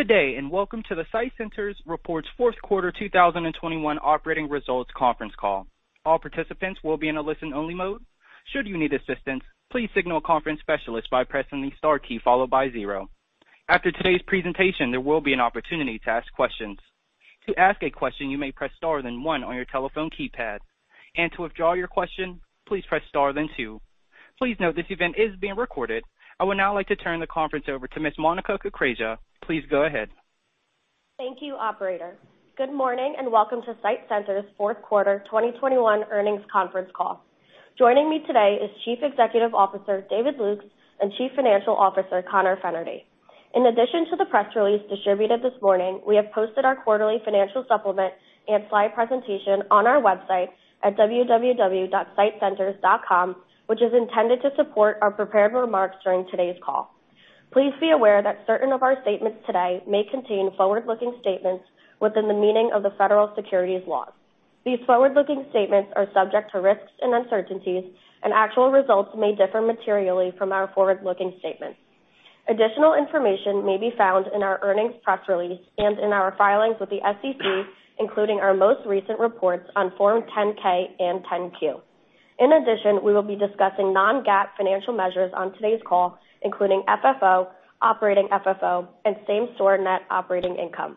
Good day, and welcome to the SITE Centers Reports Fourth Quarter 2021 Operating Results Conference Call. All participants will be in a listen-only mode. Should you need assistance, please signal a conference specialist by pressing the star key followed by zero. After today's presentation, there will be an opportunity to ask questions. To ask a question, you may press star then one on your telephone keypad. To withdraw your question, please press star then two. Please note this event is being recorded. I would now like to turn the conference over to Ms. Monica Kukreja. Please go ahead. Thank you, operator. Good morning, and welcome to SITE Centers fourth quarter 2021 earnings conference call. Joining me today is Chief Executive Officer David Lukes and Chief Financial Officer Conor Fennerty. In addition to the press release distributed this morning, we have posted our quarterly financial supplement and slide presentation on our website at www.sitecenters.com, which is intended to support our prepared remarks during today's call. Please be aware that certain of our statements today may contain forward-looking statements within the meaning of the federal securities laws. These forward-looking statements are subject to risks and uncertainties, and actual results may differ materially from our forward-looking statements. Additional information may be found in our earnings press release and in our filings with the SEC, including our most recent reports on Form 10-K and Form 10-Q. In addition, we will be discussing non-GAAP financial measures on today's call, including FFO, Operating FFO, and same-store net operating income.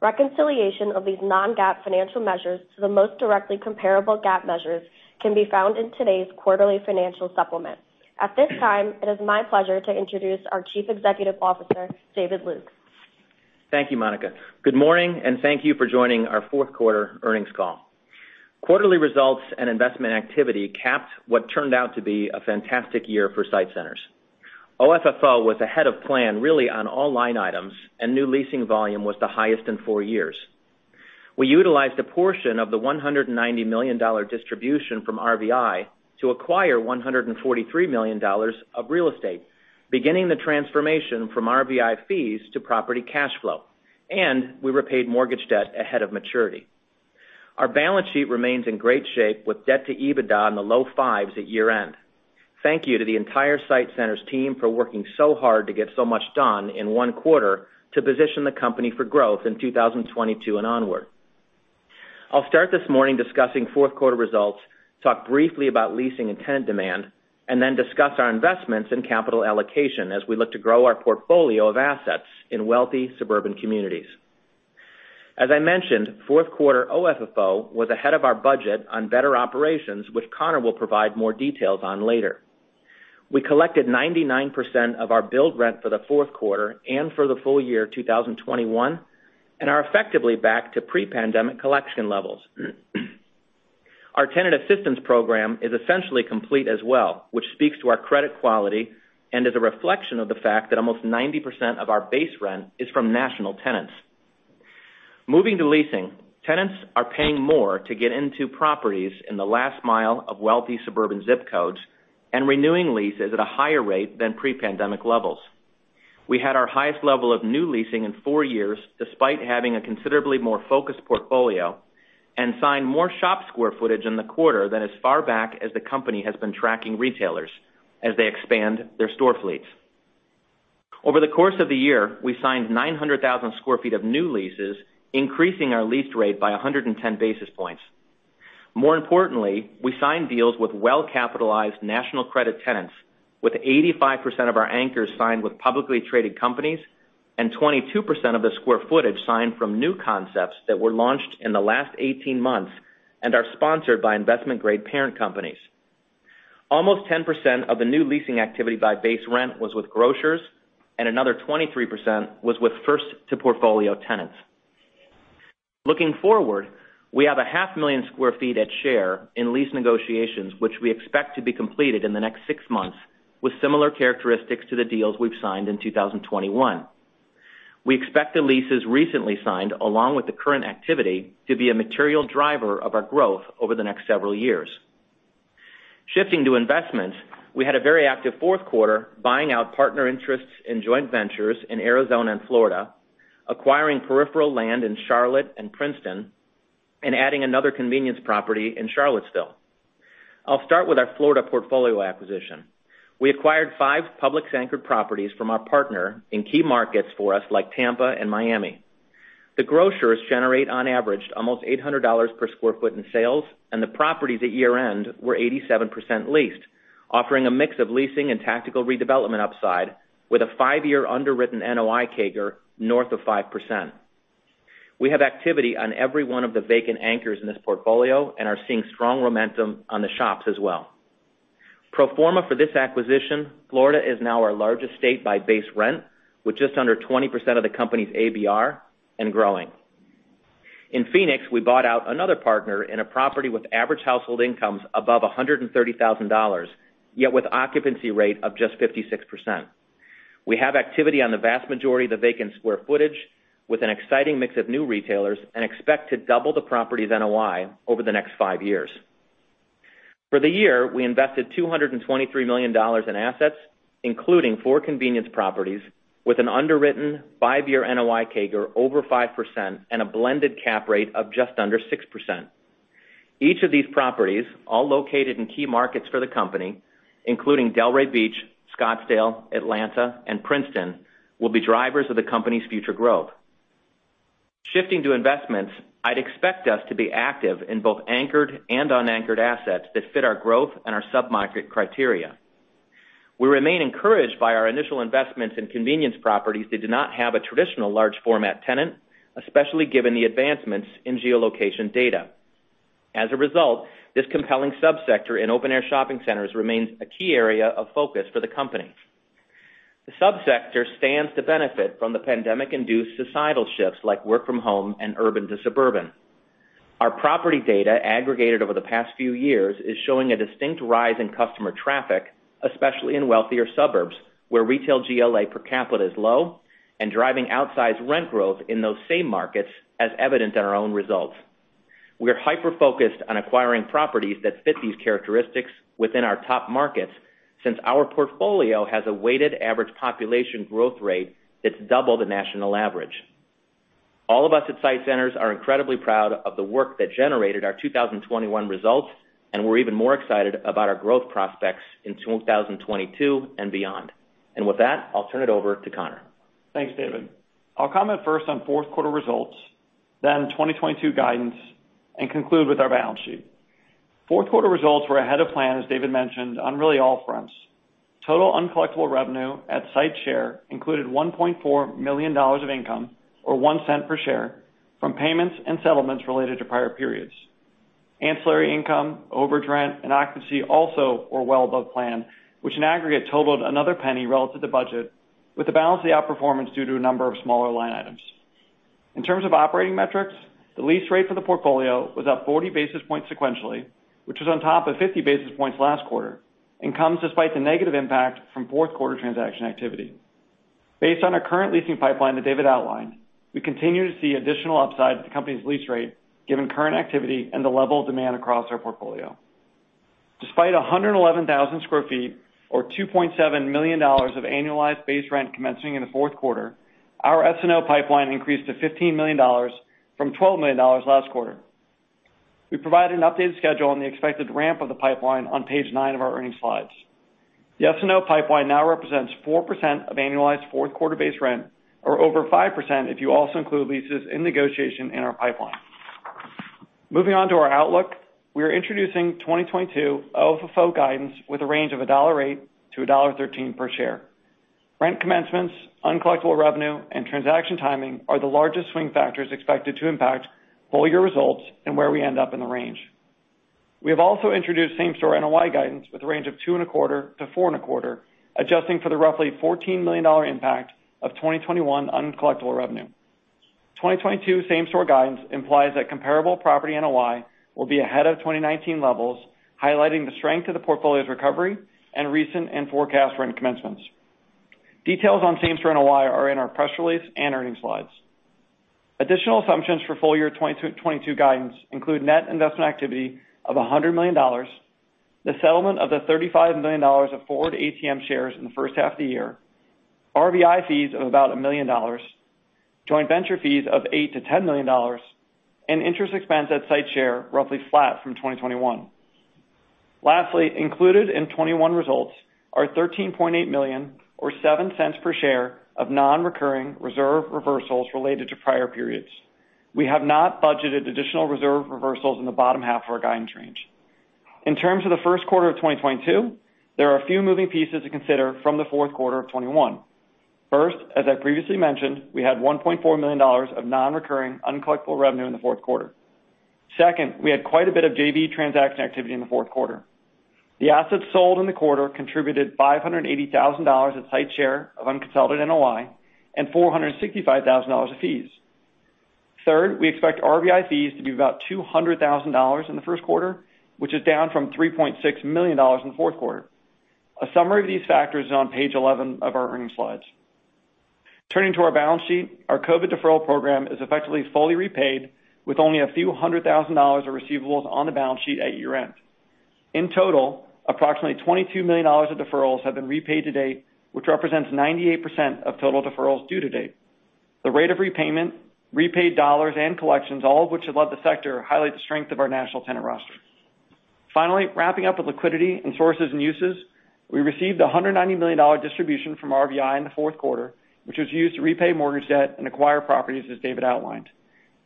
Reconciliation of these non-GAAP financial measures to the most directly comparable GAAP measures can be found in today's quarterly financial supplement. At this time, it is my pleasure to introduce our Chief Executive Officer, David Lukes. Thank you, Monica. Good morning, and thank you for joining our fourth quarter earnings call. Quarterly results and investment activity capped what turned out to be a fantastic year for SITE Centers. OFFO was ahead of plan really on all line items, and new leasing volume was the highest in four years. We utilized a portion of the $190 million distribution from RVI to acquire $143 million of real estate, beginning the transformation from RVI fees to property cash flow, and we repaid mortgage debt ahead of maturity. Our balance sheet remains in great shape with debt to EBITDA in the low fives at year-end. Thank you to the entire SITE Centers team for working so hard to get so much done in one quarter to position the company for growth in 2022 and onward. I'll start this morning discussing fourth quarter results, talk briefly about leasing and tenant demand, and then discuss our investments in capital allocation as we look to grow our portfolio of assets in wealthy suburban communities. As I mentioned, fourth quarter OFFO was ahead of our budget on better operations, which Conor will provide more details on later. We collected 99% of our billed rent for the fourth quarter and for the full year 2021, and are effectively back to pre-pandemic collection levels. Our tenant assistance program is essentially complete as well, which speaks to our credit quality and is a reflection of the fact that almost 90% of our base rent is from national tenants. Moving to leasing, tenants are paying more to get into properties in the last mile of wealthy suburban zip codes and renewing leases at a higher rate than pre-pandemic levels. We had our highest level of new leasing in four years, despite having a considerably more focused portfolio, and signed more shop square footage in the quarter than as far back as the company has been tracking retailers as they expand their store fleets. Over the course of the year, we signed 900,000 sq ft of new leases, increasing our lease rate by 110 basis points. More importantly, we signed deals with well-capitalized national credit tenants with 85% of our anchors signed with publicly traded companies and 22% of the square footage signed from new concepts that were launched in the last 18 months and are sponsored by investment-grade parent companies. Almost 10% of the new leasing activity by base rent was with grocers, and another 23% was with first to portfolio tenants. Looking forward, we have 500,000 sq ft at share in lease negotiations, which we expect to be completed in the next 6 months with similar characteristics to the deals we've signed in 2021. We expect the leases recently signed, along with the current activity, to be a material driver of our growth over the next several years. Shifting to investments, we had a very active fourth quarter buying out partner interests in joint ventures in Arizona and Florida, acquiring peripheral land in Charlotte and Princeton, and adding another convenience property in Charlottesville. I'll start with our Florida portfolio acquisition. We acquired five Publix-anchored properties from our partner in key markets for us like Tampa and Miami. The grocers generate on average almost $800 per sq ft in sales, and the properties at year-end were 87% leased, offering a mix of leasing and tactical redevelopment upside with a five-year underwritten NOI CAGR north of 5%. We have activity on every one of the vacant anchors in this portfolio and are seeing strong momentum on the shops as well. Pro forma for this acquisition, Florida is now our largest state by base rent, with just under 20% of the company's ABR and growing. In Phoenix, we bought out another partner in a property with average household incomes above $130,000, yet with occupancy rate of just 56%. We have activity on the vast majority of the vacant square footage with an exciting mix of new retailers and expect to double the property's NOI over the next five years. For the year, we invested $223 million in assets, including four convenience properties with an underwritten five-year NOI CAGR over 5% and a blended cap rate of just under 6%. Each of these properties, all located in key markets for the company, including Delray Beach, Scottsdale, Atlanta, and Princeton, will be drivers of the company's future growth. Shifting to investments, I'd expect us to be active in both anchored and unanchored assets that fit our growth and our sub-market criteria. We remain encouraged by our initial investments in convenience properties that do not have a traditional large format tenant, especially given the advancements in geolocation data. As a result, this compelling subsector in open-air shopping centers remains a key area of focus for the company. The subsector stands to benefit from the pandemic-induced societal shifts, like work from home and urban to suburban. Our property data aggregated over the past few years is showing a distinct rise in customer traffic, especially in wealthier suburbs, where retail GLA per capita is low and driving outsized rent growth in those same markets as evidenced in our own results. We are hyper-focused on acquiring properties that fit these characteristics within our top markets since our portfolio has a weighted average population growth rate that's double the national average. All of us at SITE Centers are incredibly proud of the work that generated our 2021 results, and we're even more excited about our growth prospects in 2022 and beyond. With that, I'll turn it over to Conor. Thanks, David. I'll comment first on fourth quarter results, then 2022 guidance, and conclude with our balance sheet. Fourth quarter results were ahead of plan, as David mentioned, on really all fronts. Total uncollectible revenue at SITE Centers included $1.4 million of income, or $0.01 per share, from payments and settlements related to prior periods. Ancillary income, overage rent, and occupancy also were well above plan, which in aggregate totaled another $0.01 relative to budget, with the balance of the outperformance due to a number of smaller line items. In terms of operating metrics, the lease rate for the portfolio was up 40 basis points sequentially, which was on top of 50 basis points last quarter, and comes despite the negative impact from fourth quarter transaction activity. Based on our current leasing pipeline that David outlined, we continue to see additional upside to the company's lease rate given current activity and the level of demand across our portfolio. Despite 111,000 sq ft, or $2.7 million of annualized base rent commencing in the fourth quarter, our S&O pipeline increased to $15 million from $12 million last quarter. We provide an updated schedule on the expected ramp of the pipeline on page nine of our earnings slides. The S&O pipeline now represents 4% of annualized fourth quarter base rent, or over 5% if you also include leases in negotiation in our pipeline. Moving on to our outlook, we are introducing 2022 OFFO guidance with a range of $1.08-$1.13 per share. Rent commencements, uncollectible revenue, and transaction timing are the largest swing factors expected to impact full year results and where we end up in the range. We have also introduced same-store NOI guidance with a range of 2.25%-4.25%, adjusting for the roughly $14 million impact of 2021 uncollectible revenue. 2022 same-store guidance implies that comparable property NOI will be ahead of 2019 levels, highlighting the strength of the portfolio's recovery and recent and forecast rent commencements. Details on same-store NOI are in our press release and earnings slides. Additional assumptions for full year 2022 guidance include net investment activity of $100 million, the settlement of $35 million of forward ATM shares in the first half of the year, RVI fees of about $1 million, joint venture fees of $8 million-$10 million, and interest expense at SITE Centers roughly flat from 2021. Lastly, included in 2021 results are $13.8 million, or $0.07 per share, of non-recurring reserve reversals related to prior periods. We have not budgeted additional reserve reversals in the bottom half of our guidance range. In terms of the first quarter of 2022, there are a few moving pieces to consider from the fourth quarter of 2021. First, as I previously mentioned, we had $1.4 million of non-recurring uncollectible revenue in the fourth quarter. Second, we had quite a bit of JV transaction activity in the fourth quarter. The assets sold in the quarter contributed $580,000 at SITE's share of unconsolidated NOI and $465,000 of fees. Third, we expect RVI fees to be about $200,000 in the first quarter, which is down from $3.6 million in the fourth quarter. A summary of these factors is on page 11 of our earnings slides. Turning to our balance sheet, our COVID deferral program is effectively fully repaid with only a few hundred thousand dollars of receivables on the balance sheet at year-end. In total, approximately $22 million of deferrals have been repaid to date, which represents 98% of total deferrals due to date. The rate of repayment, repaid dollars, and collections, all of which have left the sector, highlight the strength of our national tenant roster. Finally, wrapping up with liquidity and sources and uses, we received a $190 million distribution from RVI in the fourth quarter, which was used to repay mortgage debt and acquire properties, as David outlined.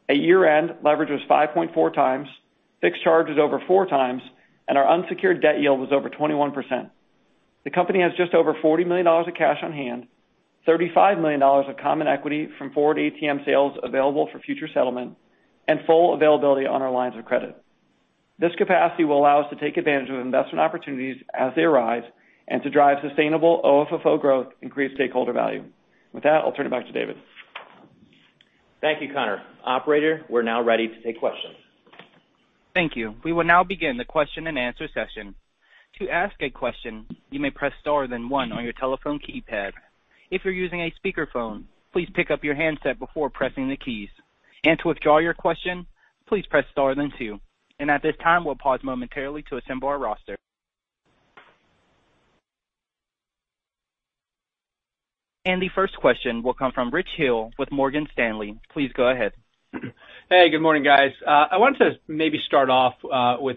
At year-end, leverage was 5.4x, fixed charge was over 4x, and our unsecured debt yield was over 21%. The company has just over $40 million of cash on hand, $35 million of common equity from forward ATM sales available for future settlement, and full availability on our lines of credit. This capacity will allow us to take advantage of investment opportunities as they arise and to drive sustainable OFFO growth and create stakeholder value. With that, I'll turn it back to David. Thank you, Conor. Operator, we're now ready to take questions. Thank you. We will now begin the Q&A session. To ask a question, you may press star then one on your telephone keypad. If you're using a speakerphone, please pick up your handset before pressing the keys. To withdraw your question, please press star then two. At this time, we'll pause momentarily to assemble our roster. The first question will come from Rich Hill with Morgan Stanley. Please go ahead. Hey, good morning, guys. I wanted to maybe start off with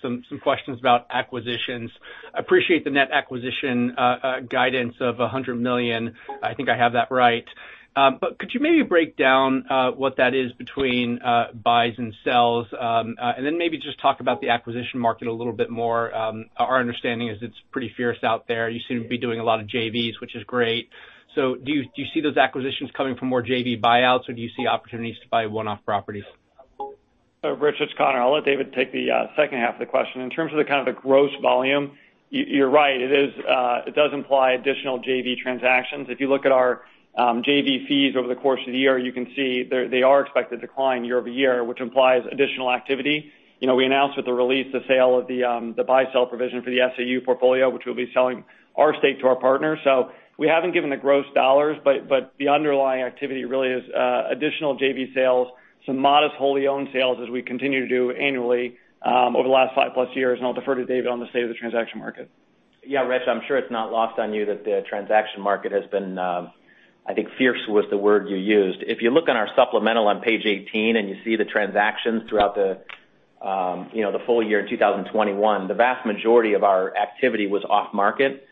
some questions about acquisitions. Appreciate the net acquisition guidance of $100 million. I think I have that right. But could you maybe break down what that is between buys and sells, and then maybe just talk about the acquisition market a little bit more? Our understanding is it's pretty fierce out there. You seem to be doing a lot of JVs, which is great. Do you see those acquisitions coming from more JV buyouts, or do you see opportunities to buy one-off properties? Rich, it's Conor. I'll let David take the second half of the question. In terms of the kind of the gross volume, you're right, it does imply additional JV transactions. If you look at our JV fees over the course of the year, you can see they are expected to decline year-over-year, which implies additional activity. You know, we announced with the release the sale of the buy-sell provision for the SAU portfolio, which we'll be selling our stake to our partners. We haven't given the gross dollars, but the underlying activity really is additional JV sales, some modest wholly owned sales as we continue to do annually over the last 5+ years. I'll defer to David on the state of the transaction market. Yeah, Rich, I'm sure it's not lost on you that the transaction market has been. I think fierce was the word you used. If you look on our supplemental on page 18 and you see the transactions throughout the, you know, the full year in 2021, the vast majority of our activity was off market.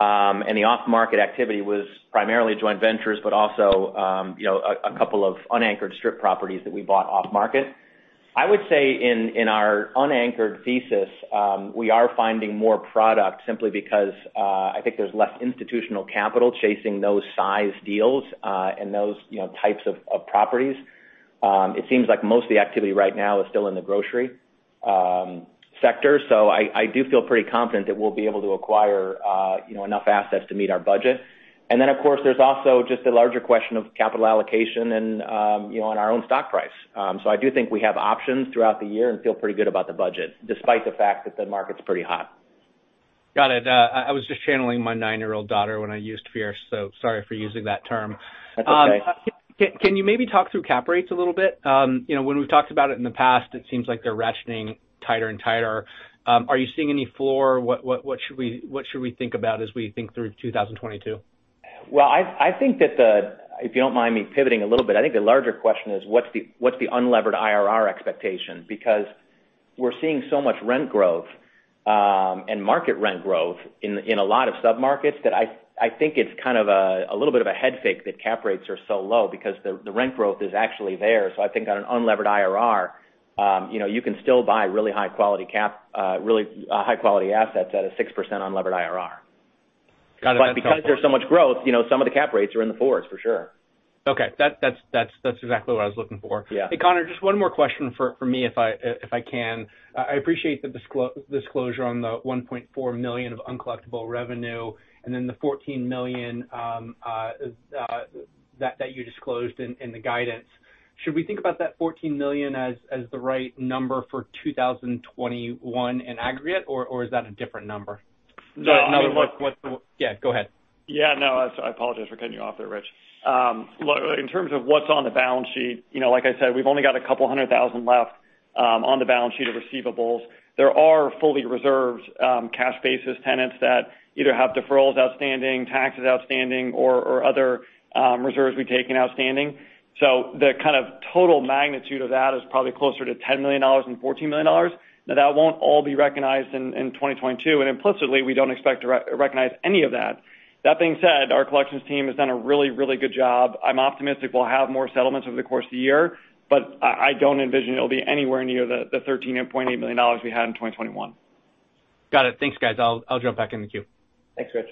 The off market activity was primarily joint ventures, but also, you know, a couple of unanchored strip properties that we bought off market. I would say in our unanchored thesis, we are finding more product simply because, I think there's less institutional capital chasing those size deals, and those, you know, types of properties. It seems like most of the activity right now is still in the grocery sector. I do feel pretty confident that we'll be able to acquire, you know, enough assets to meet our budget. Of course, there's also just the larger question of capital allocation and, you know, on our own stock price. I do think we have options throughout the year and feel pretty good about the budget, despite the fact that the market's pretty hot. Got it. I was just channeling my nine-year-old daughter when I used fierce, so sorry for using that term. That's okay. Can you maybe talk through cap rates a little bit? You know, when we've talked about it in the past, it seems like they're ratcheting tighter and tighter. Are you seeing any floor? What should we think about as we think through 2022? Well, I think that if you don't mind me pivoting a little bit, I think the larger question is what's the unlevered IRR expectation. Because we're seeing so much rent growth and market rent growth in a lot of submarkets that I think it's kind of a little bit of a head fake that cap rates are so low because the rent growth is actually there. I think on an unlevered IRR, you know, you can still buy really high quality assets at a 6% unlevered IRR. Got it. That's helpful. because there's so much growth, you know, some of the cap rates are in the fours for sure. Okay. That's exactly what I was looking for. Yeah. Hey, Conor, just one more question for me if I can. I appreciate the disclosure on the $1.4 million of uncollectible revenue and then the $14 million that you disclosed in the guidance. Should we think about that $14 million as the right number for 2021 in aggregate, or is that a different number? No, I mean, look. Yeah, go ahead. Yeah, no, I apologize for cutting you off there, Rich. Look, in terms of what's on the balance sheet, you know, like I said, we've only got a couple hundred thousand left on the balance sheet of receivables. There are fully reserved cash basis tenants that either have deferrals outstanding, taxes outstanding, or other reserves we've taken outstanding. So the kind of total magnitude of that is probably closer to $10 million-$14 million. Now, that won't all be recognized in 2022, and implicitly, we don't expect to re-recognize any of that. That being said, our collections team has done a really, really good job. I'm optimistic we'll have more settlements over the course of the year, but I don't envision it'll be anywhere near the $13.8 million we had in 2021. Got it. Thanks, guys. I'll jump back in the queue. Thanks, Rich.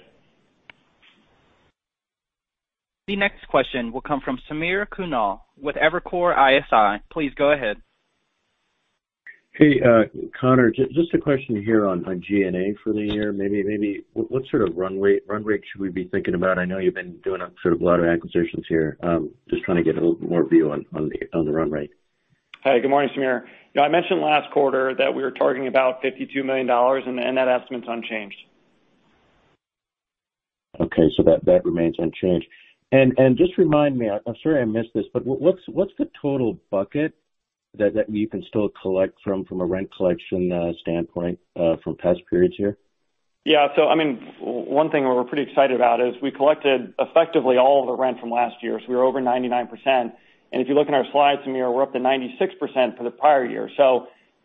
The next question will come from Samir Khanal with Evercore ISI. Please go ahead. Hey, Conor, just a question here on G&A for the year. Maybe what sort of run rate should we be thinking about? I know you've been doing a sort of lot of acquisitions here. Just trying to get a little more view on the run rate. Hey, good morning, Samir. You know, I mentioned last quarter that we were targeting about $52 million and that estimate's unchanged. Okay. That remains unchanged. Just remind me, I'm sorry I missed this, but what's the total bucket that you can still collect from a rent collection standpoint from past periods here? Yeah. I mean, one thing we're pretty excited about is we collected effectively all of the rent from last year, so we were over 99%. If you look in our slides, Samir, we're up to 96% for the prior year.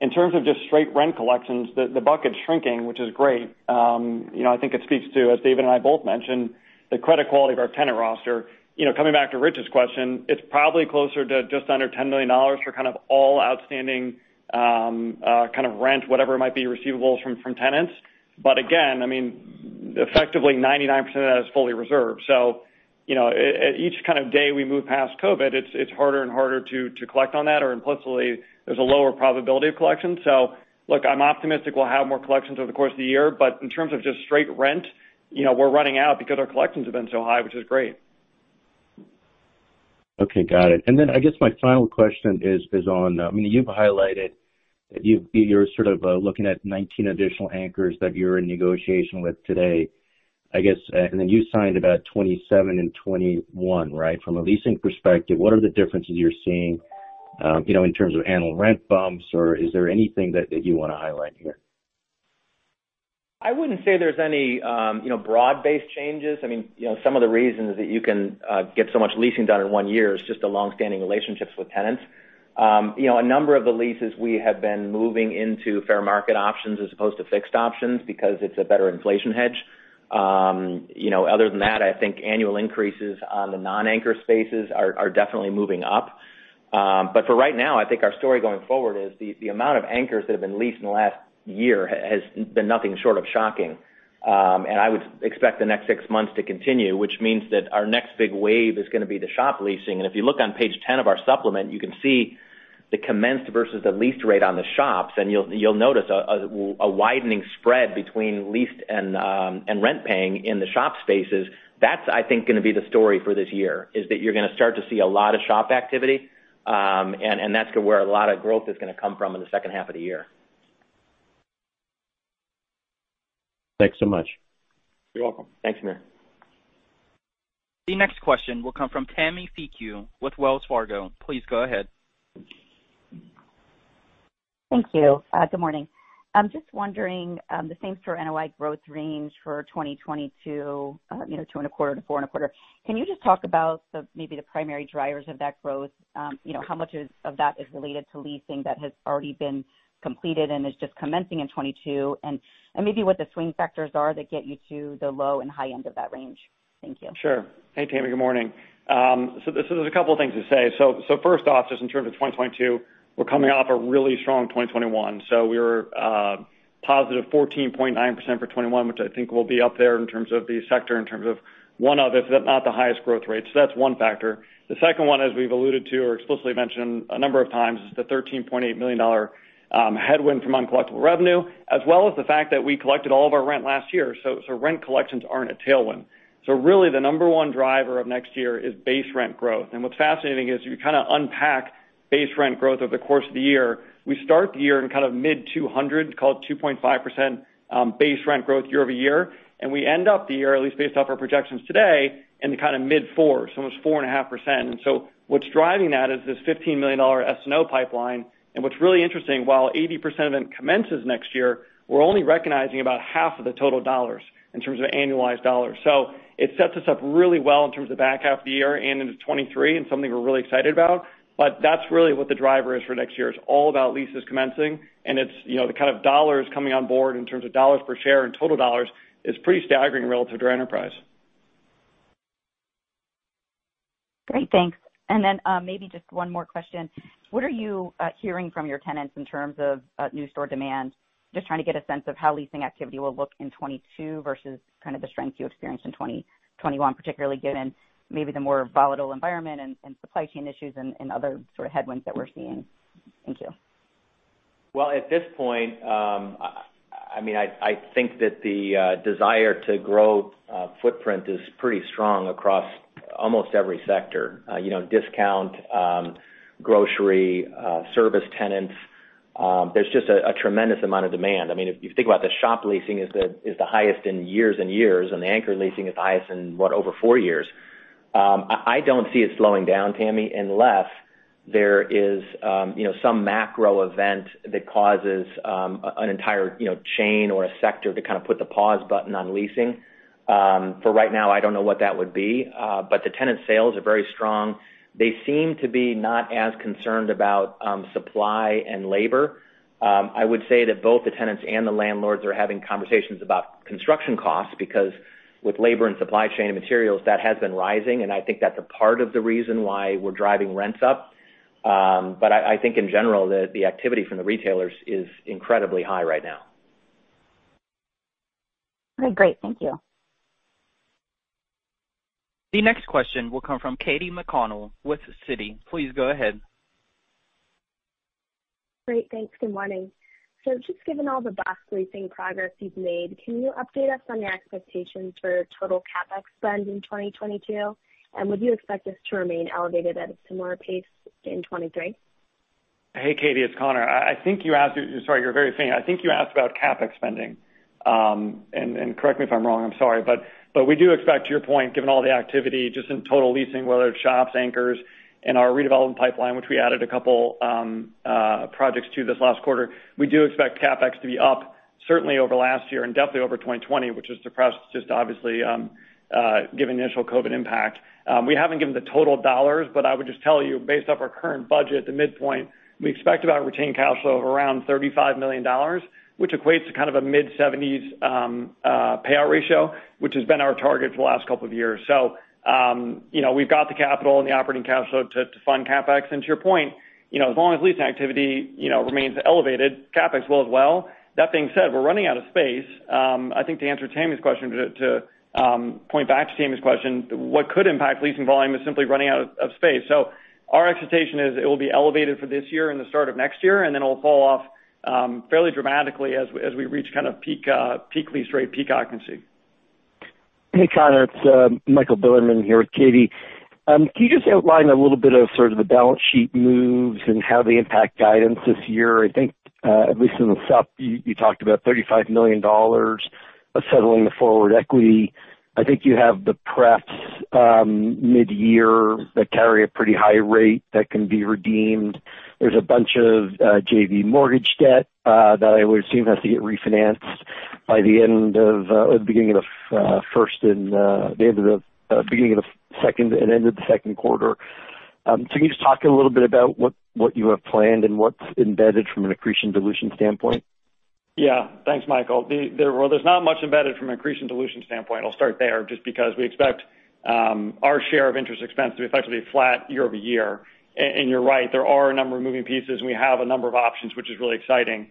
In terms of just straight rent collections, the bucket's shrinking, which is great. You know, I think it speaks to, as David and I both mentioned, the credit quality of our tenant roster. You know, coming back to Rich's question, it's probably closer to just under $10 million for kind of all outstanding, kind of rent, whatever might be receivables from tenants. Again, I mean, effectively 99% of that is fully reserved. You know, at each kind of day we move past COVID, it's harder and harder to collect on that, or implicitly, there's a lower probability of collection. Look, I'm optimistic we'll have more collections over the course of the year, but in terms of just straight rent, you know, we're running out because our collections have been so high, which is great. Okay. Got it. I guess my final question is on, I mean, you've highlighted that you're sort of looking at 19 additional anchors that you're in negotiation with today, I guess. You signed about 27 in 2021, right? From a leasing perspective, what are the differences you're seeing, you know, in terms of annual rent bumps, or is there anything that you wanna highlight here? I wouldn't say there's any, you know, broad-based changes. I mean, you know, some of the reasons that you can get so much leasing done in one year is just the long-standing relationships with tenants. You know, a number of the leases we have been moving into fair market options as opposed to fixed options because it's a better inflation hedge. You know, other than that, I think annual increases on the non-anchor spaces are definitely moving up. For right now, I think our story going forward is the amount of anchors that have been leased in the last year has been nothing short of shocking. I would expect the next six months to continue, which means that our next big wave is gonna be the shop leasing. If you look on page 10 of our supplement, you can see the commenced versus the leased rate on the shops, and you'll notice a widening spread between leased and rent paying in the shop spaces. That's, I think, gonna be the story for this year, is that you're gonna start to see a lot of shop activity, and that's where a lot of growth is gonna come from in the second half of the year. Thanks so much. You're welcome. Thanks, Samir. The next question will come from Tammi Fique with Wells Fargo. Please go ahead. Thank you. Good morning. I'm just wondering, the same-store NOI growth range for 2022, you know, 2.25%-4.25%. Can you just talk about maybe the primary drivers of that growth? You know, how much of that is related to leasing that has already been completed and is just commencing in 2022? Maybe what the swing factors are that get you to the low and high end of that range. Thank you. Sure. Hey, Tammy. Good morning. There's a couple of things to say. First off, just in terms of 2022, we're coming off a really strong 2021. We were positive 14.9% for 2021, which I think will be up there in terms of the sector, in terms of one of, if not the highest growth rate. That's one factor. The second one, as we've alluded to or explicitly mentioned a number of times, is the $13.8 million headwind from uncollectible revenue, as well as the fact that we collected all of our rent last year. Rent collections aren't a tailwind. Really the number one driver of next year is base rent growth. What's fascinating is you kind of unpack base rent growth over the course of the year. We start the year in kind of mid 200, call it 2.5%, base rent growth year-over-year. We end up the year, at least based off our projections today, in the kind of mid four, so it's 4.5%. What's driving that is this $15 million S&O pipeline. What's really interesting, while 80% of it commences next year, we're only recognizing about half of the total dollars in terms of annualized dollars. It sets us up really well in terms of back half of the year and into 2023 and something we're really excited about. That's really what the driver is for next year is all about leases commencing. It's, you know, the kind of dollars coming on board in terms of dollars per share and total dollars is pretty staggering relative to our enterprise. Great. Thanks. Then, maybe just one more question. What are you hearing from your tenants in terms of new store demand? Just trying to get a sense of how leasing activity will look in 2022 versus kind of the strength you experienced in 2021, particularly given maybe the more volatile environment and supply chain issues and other sort of headwinds that we're seeing. Thank you. Well, at this point, I mean, I think that the desire to grow footprint is pretty strong across almost every sector. You know, discount, grocery, service tenants. There's just a tremendous amount of demand. I mean, if you think about the shop leasing is the highest in years and years, and the anchor leasing is the highest in, what, over four years. I don't see it slowing down, Tammy, unless there is, you know, some macro event that causes, an entire, you know, chain or a sector to kind of put the pause button on leasing. For right now, I don't know what that would be. The tenant sales are very strong. They seem to be not as concerned about supply and labor. I would say that both the tenants and the landlords are having conversations about construction costs because with labor and supply chain and materials, that has been rising, and I think that's a part of the reason why we're driving rents up. I think in general, the activity from the retailers is incredibly high right now. Okay, great. Thank you. The next question will come from Katy McConnell with Citi. Please go ahead. Great. Thanks. Good morning. Just given all the box leasing progress you've made, can you update us on your expectations for total CapEx spend in 2022? Would you expect this to remain elevated at a similar pace in 2023? Hey, Katy, it's Conor. I think you asked about CapEx spending. Sorry, you're very faint. I think you asked about CapEx spending. Correct me if I'm wrong, but we do expect, to your point, given all the activity just in total leasing, whether it's shops, anchors, and our redevelopment pipeline, which we added a couple projects to this last quarter. We do expect CapEx to be up certainly over last year and definitely over 2020, which was suppressed just obviously given the initial COVID impact. We haven't given the total dollars, but I would just tell you based off our current budget at the midpoint, we expect about retained cash flow of around $35 million, which equates to kind of a mid-70s payout ratio, which has been our target for the last couple of years. You know, we've got the capital and the operating cash flow to fund CapEx. To your point, you know, as long as leasing activity remains elevated, CapEx will as well. That being said, we're running out of space. I think to answer Tammy's question, to point back to Tammy's question, what could impact leasing volume is simply running out of space. Our expectation is it will be elevated for this year and the start of next year, and then it will fall off fairly dramatically as we reach kind of peak lease rate, peak occupancy. Hey, Conor, it's Michael Bilerman here with Katy. Can you just outline a little bit of sort of the balance sheet moves and how they impact guidance this year? I think at least in the top, you talked about $35 million. Of settling the forward equity. I think you have the pref mid-year that carry a pretty high rate that can be redeemed. There's a bunch of JV mortgage debt that I would assume has to get refinanced by the end of the first and the beginning of the second quarter. Can you just talk a little bit about what you have planned and what's embedded from an accretion dilution standpoint? Yeah. Thanks, Michael. Well, there's not much embedded from accretion dilution standpoint. I'll start there, just because we expect our share of interest expense to be effectively flat year over year. You're right, there are a number of moving pieces, and we have a number of options, which is really exciting.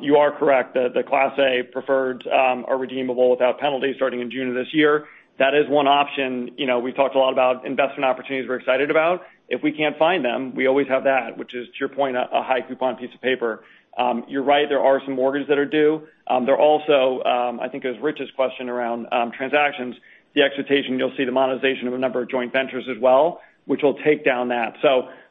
You are correct that the Class A preferred are redeemable without penalty starting in June of this year. That is one option. You know, we talked a lot about investment opportunities we're excited about. If we can't find them, we always have that, which is, to your point, a high coupon piece of paper. You're right, there are some mortgages that are due. There are also, I think it was Rich's question around, transactions. The expectation, you'll see the monetization of a number of joint ventures as well, which will take down that.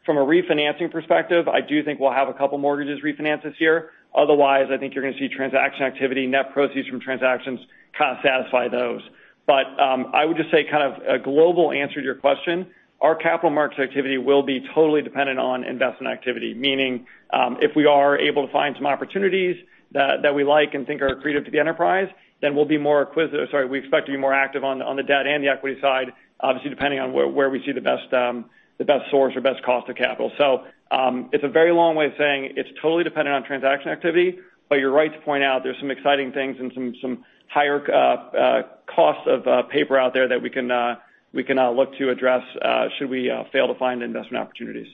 From a refinancing perspective, I do think we'll have a couple mortgages refinanced this year. Otherwise, I think you're gonna see transaction activity, net proceeds from transactions kind of satisfy those. I would just say kind of a global answer to your question. Our capital markets activity will be totally dependent on investment activity. Meaning, if we are able to find some opportunities that we like and think are accretive to the enterprise, then we'll be more acquisitive. Sorry, we expect to be more active on the debt and the equity side, obviously, depending on where we see the best source or best cost of capital. It's a very long way of saying it's totally dependent on transaction activity. You're right to point out there's some exciting things and some higher costs of paper out there that we can look to address should we fail to find investment opportunities.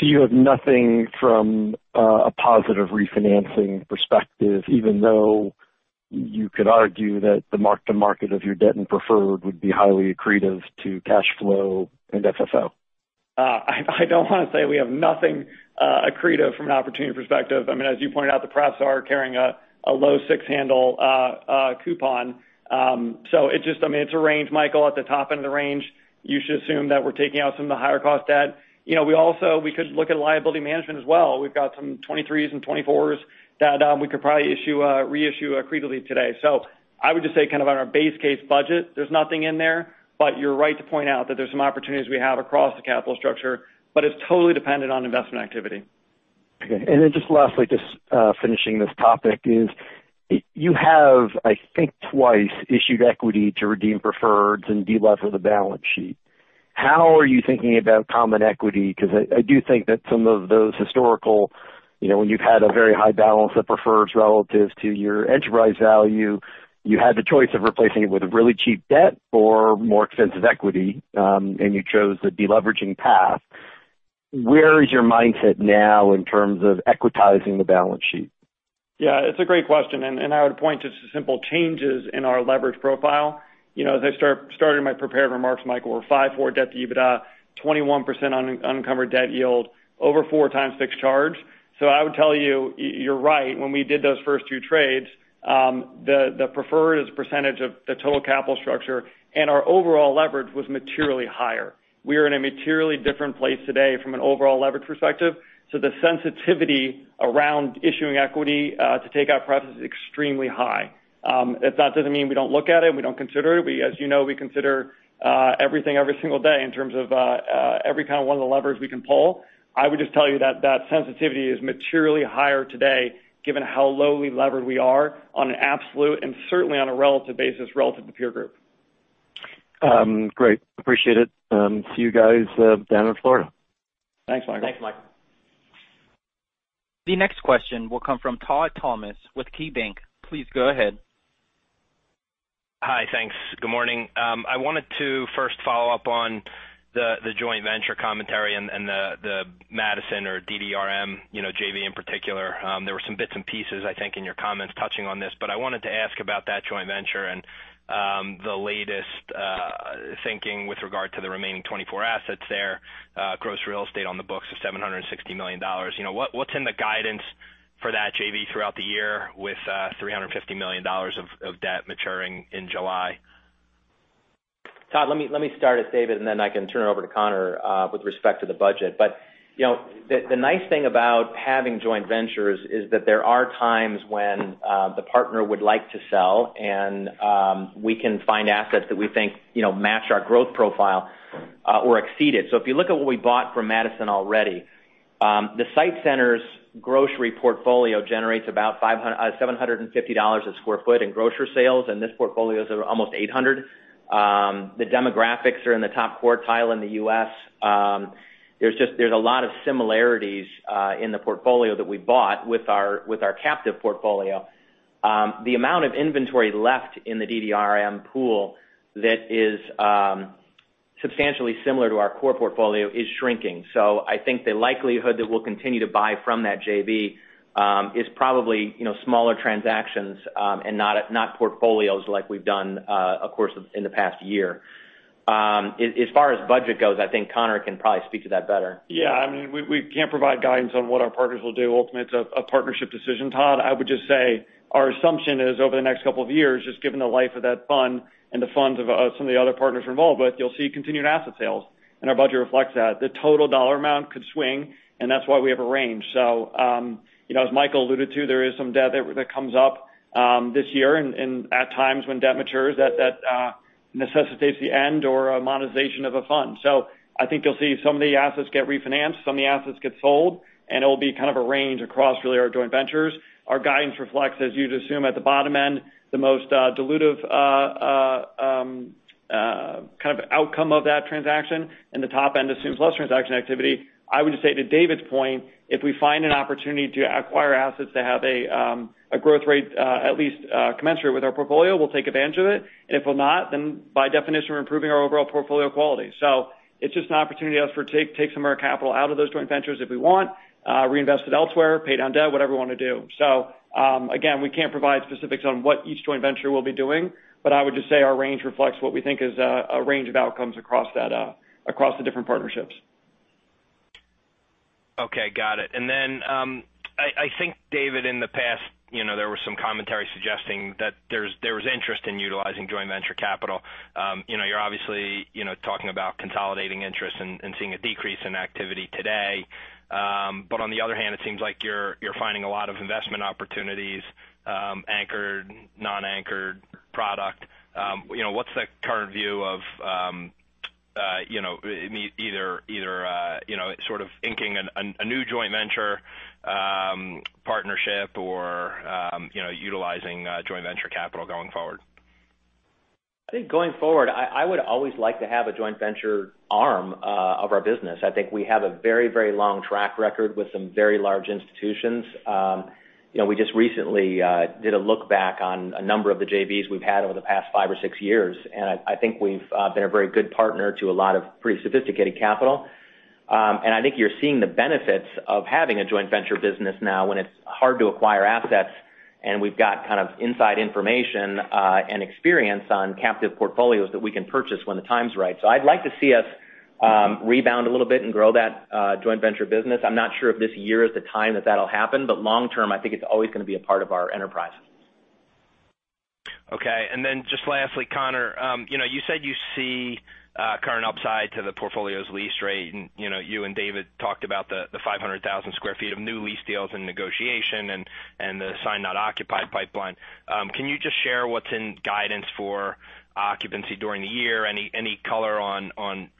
You have nothing from a positive refinancing perspective, even though you could argue that the mark to market of your debt and preferred would be highly accretive to cash flow and FFO? I don't wanna say we have nothing accretive from an opportunity perspective. I mean, as you pointed out, the prefs are carrying a low six handle coupon. I mean, it's a range, Michael. At the top end of the range, you should assume that we're taking out some of the higher cost debt. You know, we could look at liability management as well. We've got some 2023s and 2024s that we could probably issue or reissue accretively today. I would just say kind of on our base case budget, there's nothing in there. You're right to point out that there's some opportunities we have across the capital structure, but it's totally dependent on investment activity. Okay. Just lastly, finishing this topic is you have, I think twice, issued equity to redeem preferreds and delever the balance sheet. How are you thinking about common equity? 'Cause I do think that some of those historical, you know, when you've had a very high balance of preferreds relative to your enterprise value, you had the choice of replacing it with a really cheap debt or more expensive equity, and you chose the deleveraging path. Where is your mindset now in terms of equitizing the balance sheet? Yeah, it's a great question, and I would point to simple changes in our leverage profile. You know, as I started my prepared remarks, Michael, we're 5.4 debt to EBITDA, 21% unencumbered debt yield, over 4x fixed charge. So I would tell you're right. When we did those first two trades, the preferred as a percentage of the total capital structure and our overall leverage was materially higher. We are in a materially different place today from an overall leverage perspective, so the sensitivity around issuing equity to take out preferreds is extremely high. That doesn't mean we don't look at it and we don't consider it. You know, we consider everything every single day in terms of every kind of one of the levers we can pull. I would just tell you that that sensitivity is materially higher today, given how lowly levered we are on an absolute and certainly on a relative basis, relative to peer group. Great. Appreciate it. See you guys down in Florida. Thanks, Michael. Thanks, Michael. The next question will come from Todd Thomas with KeyBanc. Please go ahead. Hi. Thanks. Good morning. I wanted to first follow up on the joint venture commentary and the Madison or DDRM, you know, JV in particular. There were some bits and pieces, I think, in your comments touching on this, but I wanted to ask about that joint venture and the latest thinking with regard to the remaining 24 assets there. Gross real estate on the books of $760 million. You know, what's in the guidance for that JV throughout the year with $350 million of debt maturing in July? Todd, let me start as David, and then I can turn it over to Conor with respect to the budget. You know, the nice thing about having joint ventures is that there are times when the partner would like to sell and we can find assets that we think, you know, match our growth profile or exceed it. If you look at what we bought from Madison already, the SITE Centers' grocery portfolio generates about $750 a sq ft in grocery sales, and this portfolio is almost $800. The demographics are in the top quartile in the U.S. There's just a lot of similarities in the portfolio that we bought with our captive portfolio. The amount of inventory left in the DDRM pool that is substantially similar to our core portfolio is shrinking. I think the likelihood that we'll continue to buy from that JV is probably, you know, smaller transactions and not portfolios like we've done, of course in the past year. As far as budget goes, I think Conor can probably speak to that better. Yeah. I mean, we can't provide guidance on what our partners will do. Ultimately, it's a partnership decision, Todd. I would just say our assumption is over the next couple of years, just given the life of that fund and the funds of some of the other partners we're involved with, you'll see continued asset sales, and our budget reflects that. The total dollar amount could swing, and that's why we have a range. You know, as Michael alluded to, there is some debt that comes due this year and at times when debt matures, that necessitates the end or a monetization of a fund. I think you'll see some of the assets get refinanced, some of the assets get sold, and it'll be kind of a range across really our joint ventures. Our guidance reflects, as you'd assume at the bottom end, the most dilutive kind of outcome of that transaction and the top end assumes less transaction activity. I would just say to David's point, if we find an opportunity to acquire assets that have a growth rate at least commensurate with our portfolio, we'll take advantage of it. If we're not, then by definition, we're improving our overall portfolio quality. It's just an opportunity for us to take some of our capital out of those joint ventures if we want, reinvest it elsewhere, pay down debt, whatever we wanna do. Again, we can't provide specifics on what each joint venture will be doing, but I would just say our range reflects what we think is a range of outcomes across that, across the different partnerships. Okay, got it. I think, David, in the past, you know, there was some commentary suggesting that there was interest in utilizing joint venture capital. You know, you're obviously, you know, talking about consolidating interest and seeing a decrease in activity today. On the other hand, it seems like you're finding a lot of investment opportunities, anchored, non-anchored product. You know, what's the current view of, you know, either sort of inking a new joint venture partnership or, you know, utilizing joint venture capital going forward? I think going forward, I would always like to have a joint venture arm of our business. I think we have a very, very long track record with some very large institutions. You know, we just recently did a look back on a number of the JVs we've had over the past five or six years, and I think we've been a very good partner to a lot of pretty sophisticated capital. I think you're seeing the benefits of having a joint venture business now when it's hard to acquire assets, and we've got kind of inside information and experience on captive portfolios that we can purchase when the time's right. I'd like to see us rebound a little bit and grow that joint venture business. I'm not sure if this year is the time that that'll happen, but long term, I think it's always gonna be a part of our enterprise. Okay. Just lastly, Conor, you know, you said you see current upside to the portfolio's lease rate. You know, you and David talked about the 500,000 sq ft of new lease deals in negotiation and the signed not occupied pipeline. Can you just share what's in guidance for occupancy during the year? Any color on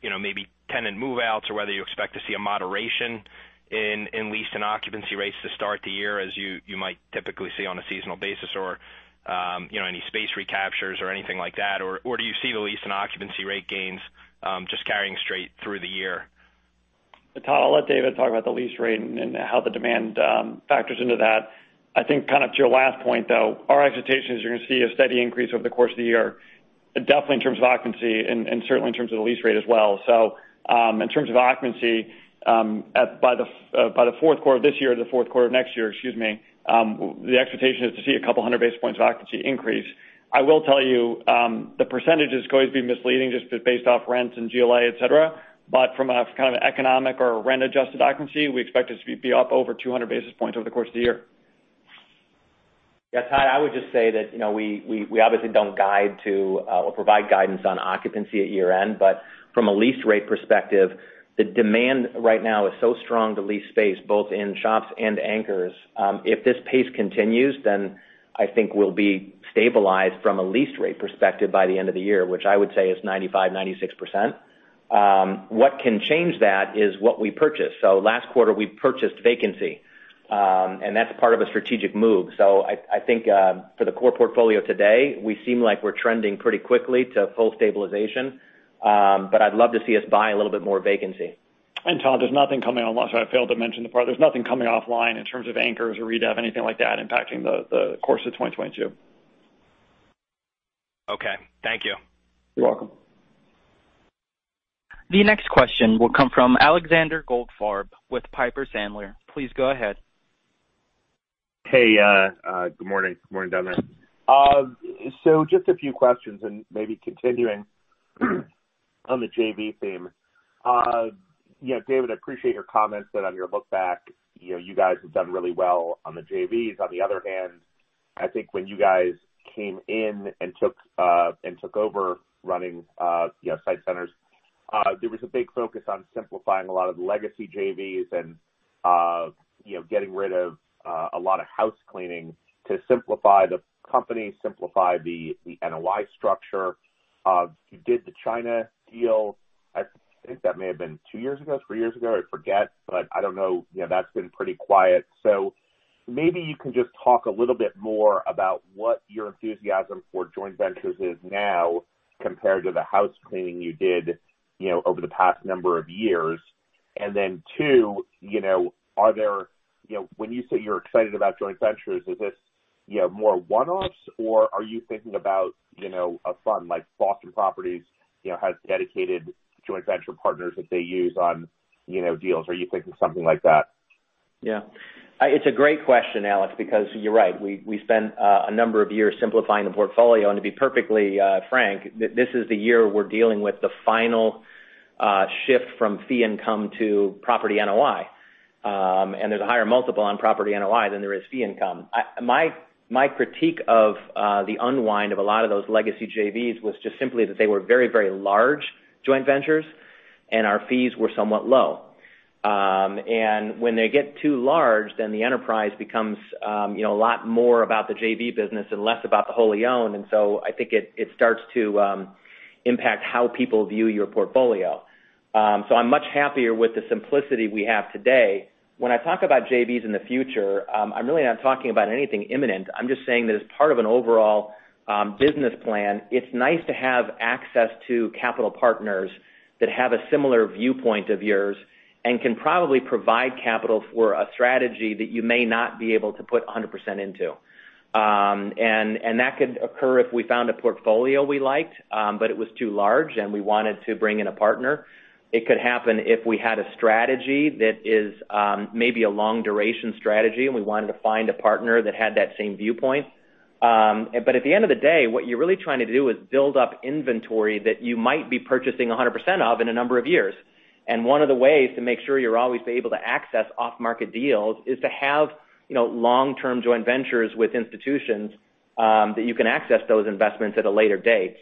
you know, maybe tenant move-outs or whether you expect to see a moderation in lease and occupancy rates to start the year as you might typically see on a seasonal basis or you know, any space recaptures or anything like that? Or do you see the lease and occupancy rate gains just carrying straight through the year? Todd, I'll let David talk about the lease rate and how the demand factors into that. I think kind of to your last point, though, our expectation is you're gonna see a steady increase over the course of the year, definitely in terms of occupancy and certainly in terms of the lease rate as well. In terms of occupancy, by the fourth quarter of this year to the fourth quarter of next year, excuse me, the expectation is to see 200 basis points of occupancy increase. I will tell you, the percentage is going to be misleading just based off rents and GLA, et cetera, from a kind of economic or rent-adjusted occupancy, we expect it to be up over 200 basis points over the course of the year. Yeah, Todd, I would just say that, you know, we obviously don't guide to or provide guidance on occupancy at year-end. From a lease rate perspective, the demand right now is so strong to lease space, both in shops and anchors. If this pace continues, then I think we'll be stabilized from a lease rate perspective by the end of the year, which I would say is 95%-96%. What can change that is what we purchase. Last quarter, we purchased vacancy, and that's part of a strategic move. I think, for the core portfolio today, we seem like we're trending pretty quickly to full stabilization. I'd love to see us buy a little bit more vacancy. Todd, there's nothing coming on. I failed to mention the part. There's nothing coming offline in terms of anchors or redev, anything like that, impacting the course of 2022. Okay. Thank you. You're welcome. The next question will come from Alexander Goldfarb with Piper Sandler. Please go ahead. Hey, good morning. Good morning, gentlemen. Just a few questions and maybe continuing on the JV theme. You know, David, I appreciate your comments that on your look back, you know, you guys have done really well on the JVs. On the other hand, I think when you guys came in and took over running, you know, SITE Centers, there was a big focus on simplifying a lot of the legacy JVs and, you know, getting rid of a lot of housecleaning to simplify the company, simplify the NOI structure. You did the China deal. I think that may have been two years ago, three years ago. I forget, but I don't know. You know, that's been pretty quiet. Maybe you can just talk a little bit more about what your enthusiasm for joint ventures is now compared to the housecleaning you did, you know, over the past number of years. Two, you know, when you say you're excited about joint ventures, is this, you know, more one-offs or are you thinking about, you know, a fund like Boston Properties, you know, has dedicated joint venture partners that they use on, you know, deals. Are you thinking something like that? Yeah. It's a great question, Alex, because you're right. We spent a number of years simplifying the portfolio. To be perfectly frank, this is the year we're dealing with the final shift from fee income to property NOI. There's a higher multiple on property NOI than there is fee income. My critique of the unwind of a lot of those legacy JVs was just simply that they were very large joint ventures and our fees were somewhat low. When they get too large, then the enterprise becomes you know, a lot more about the JV business and less about the wholly owned. I think it starts to impact how people view your portfolio. I'm much happier with the simplicity we have today. When I talk about JVs in the future, I'm really not talking about anything imminent. I'm just saying that as part of an overall business plan, it's nice to have access to capital partners that have a similar viewpoint of yours and can probably provide capital for a strategy that you may not be able to put 100% into. That could occur if we found a portfolio we liked, but it was too large, and we wanted to bring in a partner. It could happen if we had a strategy that is maybe a long duration strategy, and we wanted to find a partner that had that same viewpoint. At the end of the day, what you're really trying to do is build up inventory that you might be purchasing 100% of in a number of years. One of the ways to make sure you're always able to access off-market deals is to have, you know, long-term joint ventures with institutions, that you can access those investments at a later date.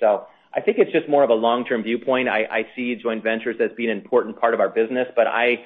I think it's just more of a long-term viewpoint. I see joint ventures as being an important part of our business, but I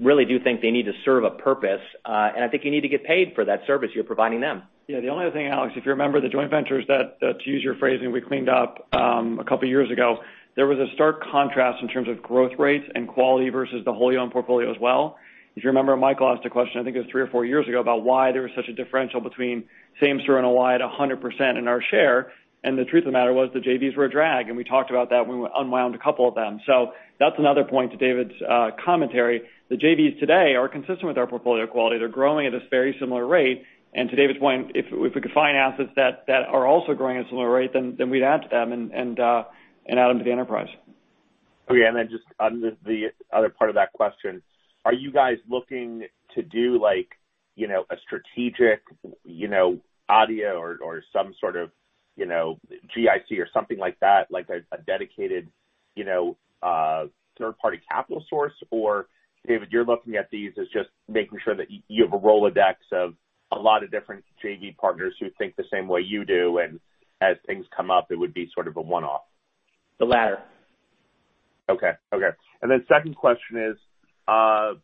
really do think they need to serve a purpose, and I think you need to get paid for that service you're providing them. Yeah. The only other thing, Alex, if you remember the joint ventures that, to use your phrasing, we cleaned up a couple of years ago. There was a stark contrast in terms of growth rates and quality versus the wholly owned portfolio as well. If you remember, Michael asked a question, I think it was three or four years ago, about why there was such a differential between same-store and a wide 100% in our share. The truth of the matter was the JVs were a drag, and we talked about that when we unwound a couple of them. That's another point to David's commentary. The JVs today are consistent with our portfolio quality. They're growing at a very similar rate. To David's point, if we could find assets that are also growing at a similar rate, then we'd add to them and add them to the enterprise. Okay. Just on the other part of that question, are you guys looking to do like, you know, a strategic, you know, ADIA or some sort of, you know, GIC or something like that, like a dedicated, you know, third-party capital source? Or David, you're looking at these as just making sure that you have a Rolodex of a lot of different JV partners who think the same way you do, and as things come up, it would be sort of a one-off. The latter. Okay. Second question is, on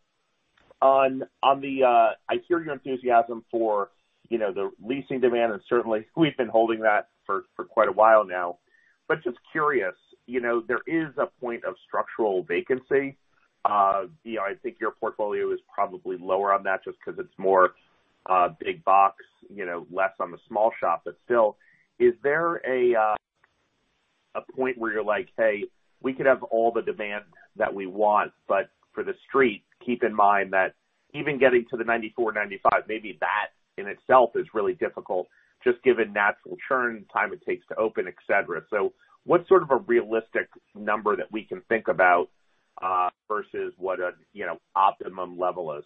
the... I hear your enthusiasm for, you know, the leasing demand, and certainly we've been holding that for quite a while now. But just curious, you know, there is a point of structural vacancy. You know, I think your portfolio is probably lower on that just because it's more big box, you know, less on the small shop. But still, is there a point where you're like, "Hey, we could have all the demand that we want," but for the street, keep in mind that even getting to the 94%-95%, maybe that in itself is really difficult just given natural churn, time it takes to open, et cetera. What sort of a realistic number that we can think about versus what a, you know, optimum level is?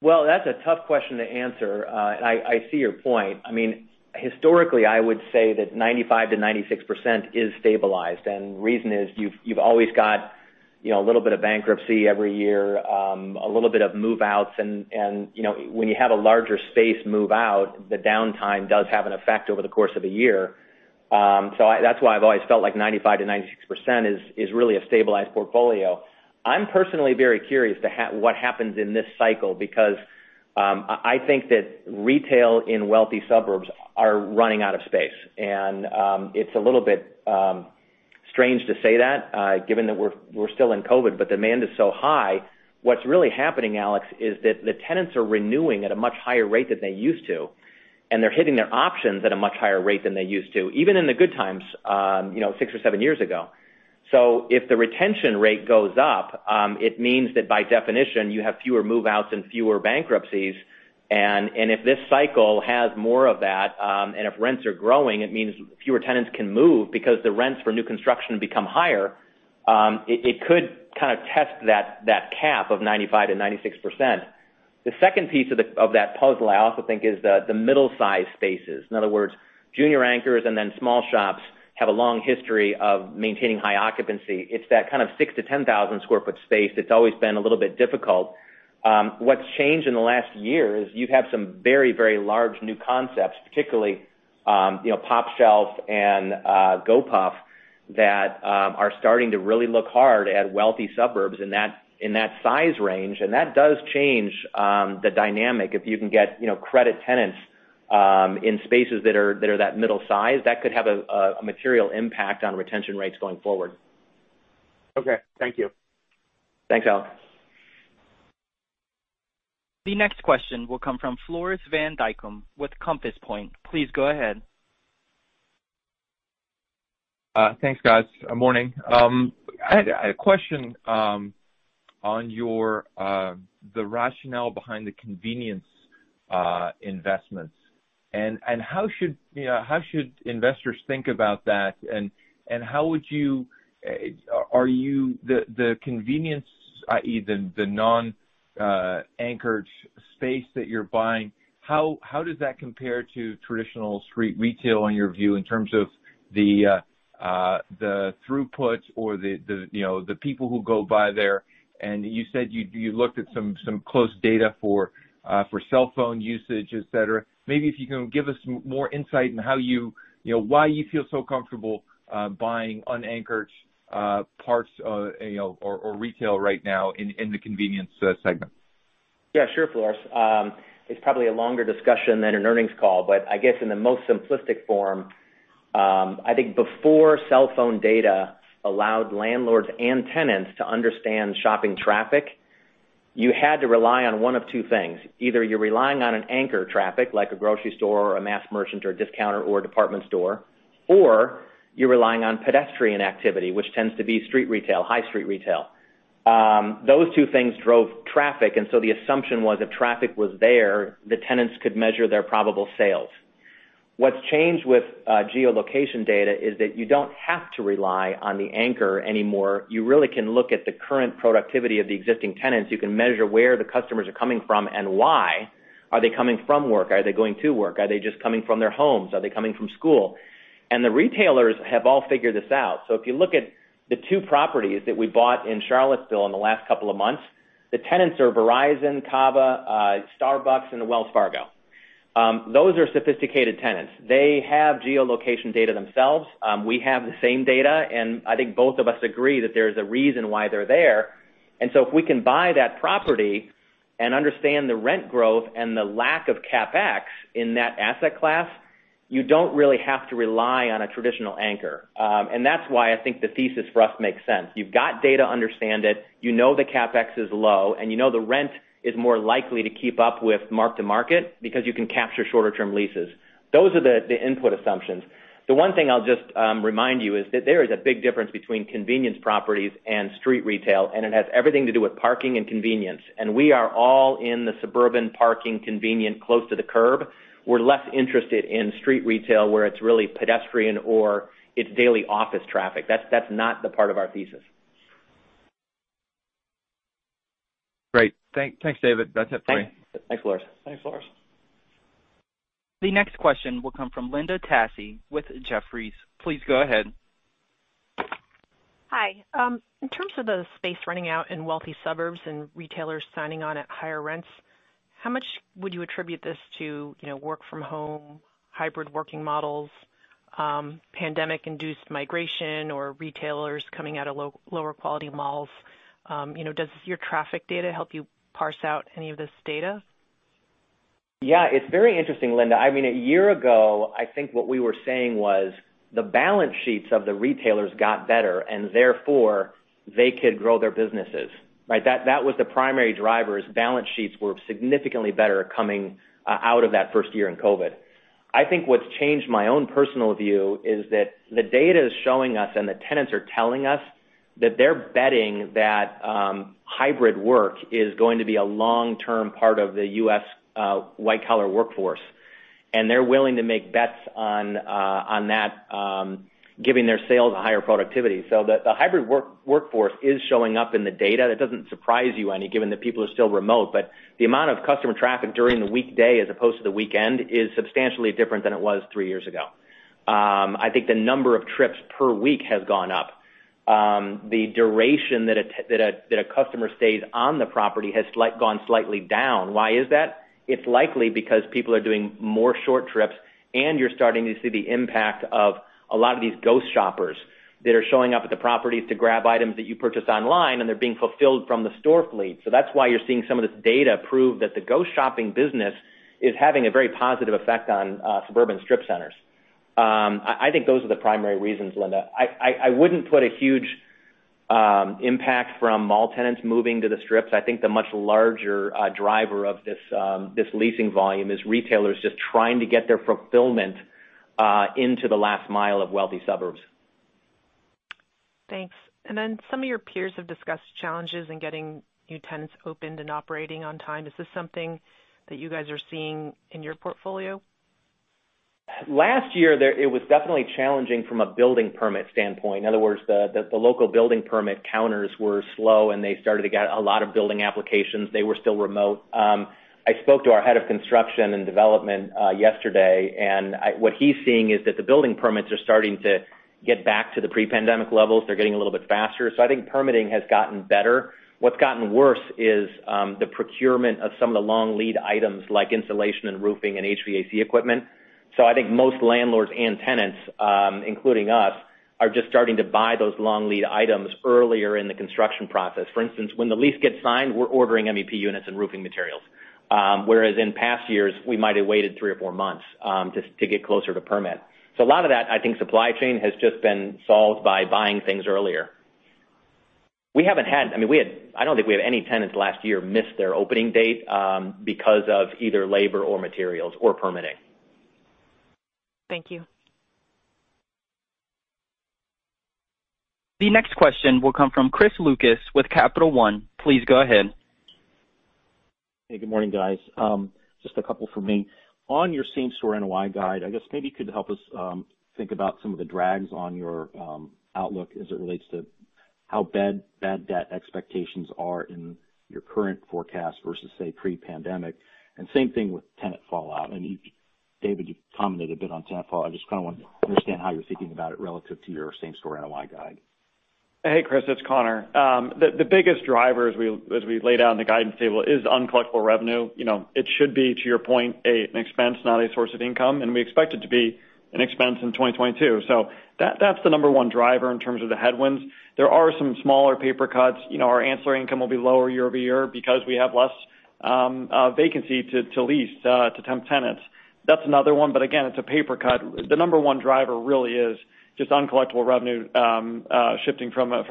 Well, that's a tough question to answer. I see your point. I mean, historically, I would say that 95%-96% is stabilized. The reason is you've always got, you know, a little bit of bankruptcy every year, a little bit of move-outs. You know, when you have a larger space move out, the downtime does have an effect over the course of a year. That's why I've always felt like 95%-96% is really a stabilized portfolio. I'm personally very curious to what happens in this cycle because I think that retail in wealthy suburbs are running out of space. It's a little bit strange to say that, given that we're still in COVID, but demand is so high. What's really happening, Alex, is that the tenants are renewing at a much higher rate than they used to, and they're hitting their options at a much higher rate than they used to, even in the good times, you know, six or seven years ago. If the retention rate goes up, it means that by definition, you have fewer move-outs and fewer bankruptcies. If this cycle has more of that, and if rents are growing, it means fewer tenants can move because the rents for new construction become higher. It could kind of test that cap of 95%-96%. The second piece of that puzzle, I also think, is the middle-sized spaces. In other words, junior anchors and then small shops have a long history of maintaining high occupancy. It's that kind of 6,000-10,000 sq ft space that's always been a little bit difficult. What's changed in the last year is you have some very, very large new concepts, particularly, you know, pOpshelf and Gopuff, that are starting to really look hard at wealthy suburbs in that size range. That does change the dynamic. If you can get, you know, credit tenants in spaces that are that middle size, that could have a material impact on retention rates going forward. Okay. Thank you. Thanks, Alex. The next question will come from Floris van Dijkum with Compass Point. Please go ahead. Thanks, guys. Morning. I had a question on the rationale behind the convenience investments. How should investors think about that? How would you the convenience, i.e., the non-anchored space that you're buying, how does that compare to traditional street retail in your view in terms of the throughput or the people who go by there? You said you looked at some close data for cell phone usage, et cetera. Maybe if you can give us more insight on how you know why you feel so comfortable buying unanchored parts, you know, or retail right now in the convenience segment. Yeah, sure, Floris. It's probably a longer discussion than an earnings call, but I guess in the most simplistic form, I think before cell phone data allowed landlords and tenants to understand shopping traffic, you had to rely on one of two things. Either you're relying on an anchor traffic, like a grocery store or a mass merchant or a discounter or a department store, or you're relying on pedestrian activity, which tends to be street retail, high street retail. Those two things drove traffic, and so the assumption was if traffic was there, the tenants could measure their probable sales. What's changed with geolocation data is that you don't have to rely on the anchor anymore. You really can look at the current productivity of the existing tenants. You can measure where the customers are coming from and why. Are they coming from work? Are they going to work? Are they just coming from their homes? Are they coming from school? The retailers have all figured this out. If you look at the two properties that we bought in Charlottesville in the last couple of months, the tenants are Verizon, CAVA, Starbucks and Wells Fargo. Those are sophisticated tenants. They have geolocation data themselves. We have the same data, and I think both of us agree that there's a reason why they're there. If we can buy that property and understand the rent growth and the lack of CapEx in that asset class, you don't really have to rely on a traditional anchor. That's why I think the thesis for us makes sense. You've got data, understand it, you know the CapEx is low, and you know the rent is more likely to keep up with mark-to-market because you can capture shorter term leases. Those are the input assumptions. The one thing I'll just remind you is that there is a big difference between convenience properties and street retail, and it has everything to do with parking and convenience. We are all in the suburban parking, convenient, close to the curb. We're less interested in street retail, where it's really pedestrian or it's daily office traffic. That's not the part of our thesis. Great. Thanks, David. That's it for me. Thanks, Floris. Thanks, Floris. The next question will come from Linda Tsai with Jefferies. Please go ahead. Hi. In terms of the space running out in wealthy suburbs and retailers signing on at higher rents, how much would you attribute this to, you know, work from home, hybrid working models, pandemic-induced migration or retailers coming out of lower quality malls? You know, does your traffic data help you parse out any of this data? Yeah, it's very interesting, Linda. I mean, a year ago, I think what we were saying was the balance sheets of the retailers got better, and therefore they could grow their businesses, right? That was the primary driver, is balance sheets were significantly better coming out of that first year in COVID. I think what's changed my own personal view is that the data is showing us and the tenants are telling us that they're betting that hybrid work is going to be a long-term part of the U.S. white collar workforce. They're willing to make bets on that giving their sales a higher productivity. The hybrid workforce is showing up in the data. That doesn't surprise you any given that people are still remote. The amount of customer traffic during the weekday as opposed to the weekend is substantially different than it was three years ago. I think the number of trips per week has gone up. The duration that a customer stays on the property has gone slightly down. Why is that? It's likely because people are doing more short trips, and you're starting to see the impact of a lot of these ghost shoppers that are showing up at the properties to grab items that you purchased online, and they're being fulfilled from the store fleet. So that's why you're seeing some of this data prove that the ghost shopping business is having a very positive effect on suburban strip centers. I think those are the primary reasons, Linda. I wouldn't put a huge impact from mall tenants moving to the strips. I think the much larger driver of this leasing volume is retailers just trying to get their fulfillment into the last mile of wealthy suburbs. Thanks. Some of your peers have discussed challenges in getting new tenants opened and operating on time. Is this something that you guys are seeing in your portfolio? Last year it was definitely challenging from a building permit standpoint. In other words, the local building permit counters were slow, and they started to get a lot of building applications. They were still remote. I spoke to our head of construction and development yesterday, what he's seeing is that the building permits are starting to get back to the pre-pandemic levels. They're getting a little bit faster. I think permitting has gotten better. What's gotten worse is the procurement of some of the long lead items like insulation and roofing and HVAC equipment. I think most landlords and tenants, including us, are just starting to buy those long lead items earlier in the construction process. For instance, when the lease gets signed, we're ordering MEP units and roofing materials. Whereas in past years, we might have waited three or four months, just to get closer to permit. So a lot of that, I think supply chain has just been solved by buying things earlier. I don't think we have any tenants last year miss their opening date, because of either labor or materials or permitting. Thank you. The next question will come from Chris Lucas with Capital One. Please go ahead. Hey, good morning, guys. Just a couple from me. On your same-store NOI guide, I guess maybe you could help us think about some of the drags on your outlook as it relates to how bad bad debt expectations are in your current forecast versus, say, pre-pandemic. Same thing with tenant fallout. I mean, you, David, you commented a bit on tenant fallout. I just kind of want to understand how you're thinking about it relative to your same-store NOI guide. Hey, Chris, it's Conor. The biggest driver as we laid out in the guidance table is uncollectible revenue. You know, it should be, to your point, an expense, not a source of income, and we expect it to be an expense in 2022. That's the number one driver in terms of the headwinds. There are some smaller paper cuts. You know, our ancillary income will be lower year-over-year because we have less Vacancy to lease to temp tenants. That's another one, but again, it's a paper cut. The number one driver really is just uncollectible revenue shifting from a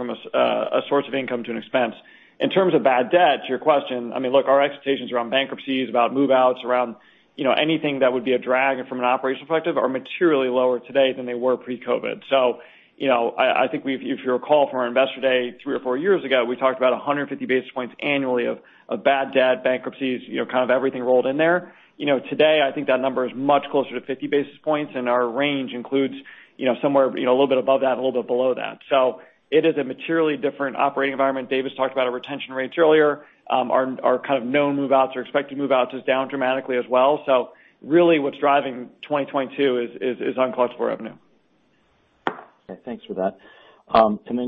source of income to an expense. In terms of bad debt, to your question, I mean, look, our expectations around bankruptcies, about move-outs, around, you know, anything that would be a drag from an operational perspective are materially lower today than they were pre-COVID. You know, I think if you recall from our Investor Day three or four years ago, we talked about 150 basis points annually of bad debt bankruptcies, you know, kind of everything rolled in there. You know, today, I think that number is much closer to 50 basis points, and our range includes, you know, somewhere, you know, a little bit above that, a little bit below that. It is a materially different operating environment. David's talked about our retention rates earlier. Our kind of known move-outs or expected move-outs is down dramatically as well. Really what's driving 2022 is uncollectible revenue. Okay. Thanks for that.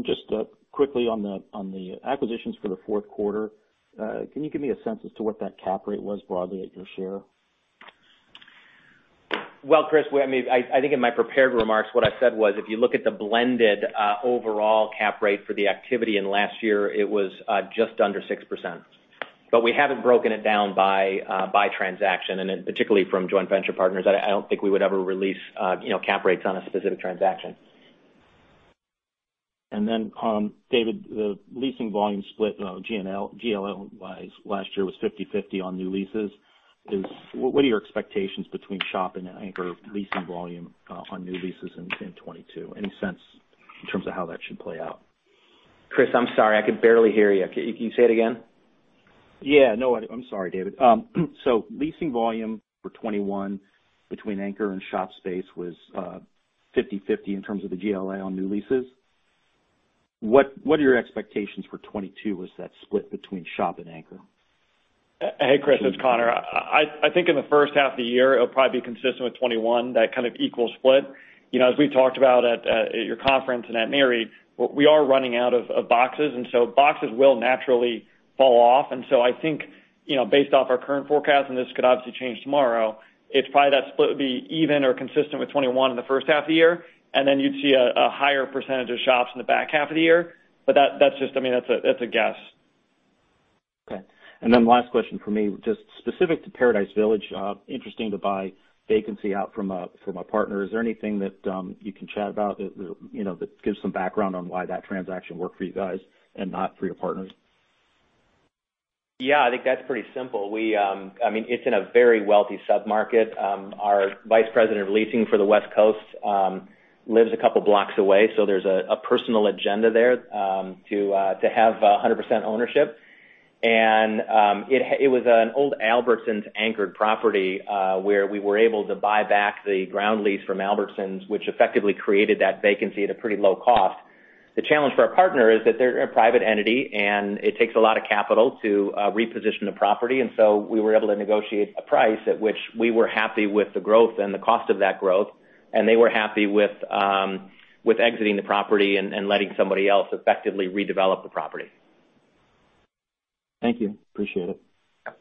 Just quickly on the acquisitions for the fourth quarter, can you give me a sense as to what that cap rate was broadly at your share? Well, Chris, I mean, I think in my prepared remarks, what I said was, if you look at the blended overall cap rate for the activity in last year, it was just under 6%. We haven't broken it down by transaction, and then particularly from joint venture partners. I don't think we would ever release, you know, cap rates on a specific transaction. David, the leasing volume split, GLA-wise last year was 50/50 on new leases. What are your expectations between shop and anchor leasing volume on new leases in 2022? Any sense in terms of how that should play out? Chris, I'm sorry. I could barely hear you. Can you say it again? No, I'm sorry, David. Leasing volume for 2021 between anchor and shop space was 50/50 in terms of the GLA on new leases. What are your expectations for 2022 with that split between shop and anchor? Hey, Chris, it's Conor. I think in the first half of the year, it'll probably be consistent with 2021, that kind of equal split. You know, as we talked about at your conference and at NAREIT, we are running out of boxes, and so boxes will naturally fall off. I think, you know, based off our current forecast, and this could obviously change tomorrow, it's probably that split would be even or consistent with 2021 in the first half of the year, and then you'd see a higher percentage of shops in the back half of the year. But that's just. I mean, that's a guess. Okay. Last question for me. Just specific to Paradise Village, interesting to buy vacancy out from a partner. Is there anything that you can chat about that, you know, that gives some background on why that transaction worked for you guys and not for your partners? Yeah, I think that's pretty simple. I mean, it's in a very wealthy submarket. Our vice president of leasing for the West Coast lives a couple blocks away, so there's a personal agenda there to have 100% ownership. It was an old Albertsons-anchored property, where we were able to buy back the ground lease from Albertsons, which effectively created that vacancy at a pretty low cost. The challenge for our partner is that they're a private entity, and it takes a lot of capital to reposition the property. We were able to negotiate a price at which we were happy with the growth and the cost of that growth, and they were happy with exiting the property and letting somebody else effectively redevelop the property. Thank you. Appreciate it. Yeah.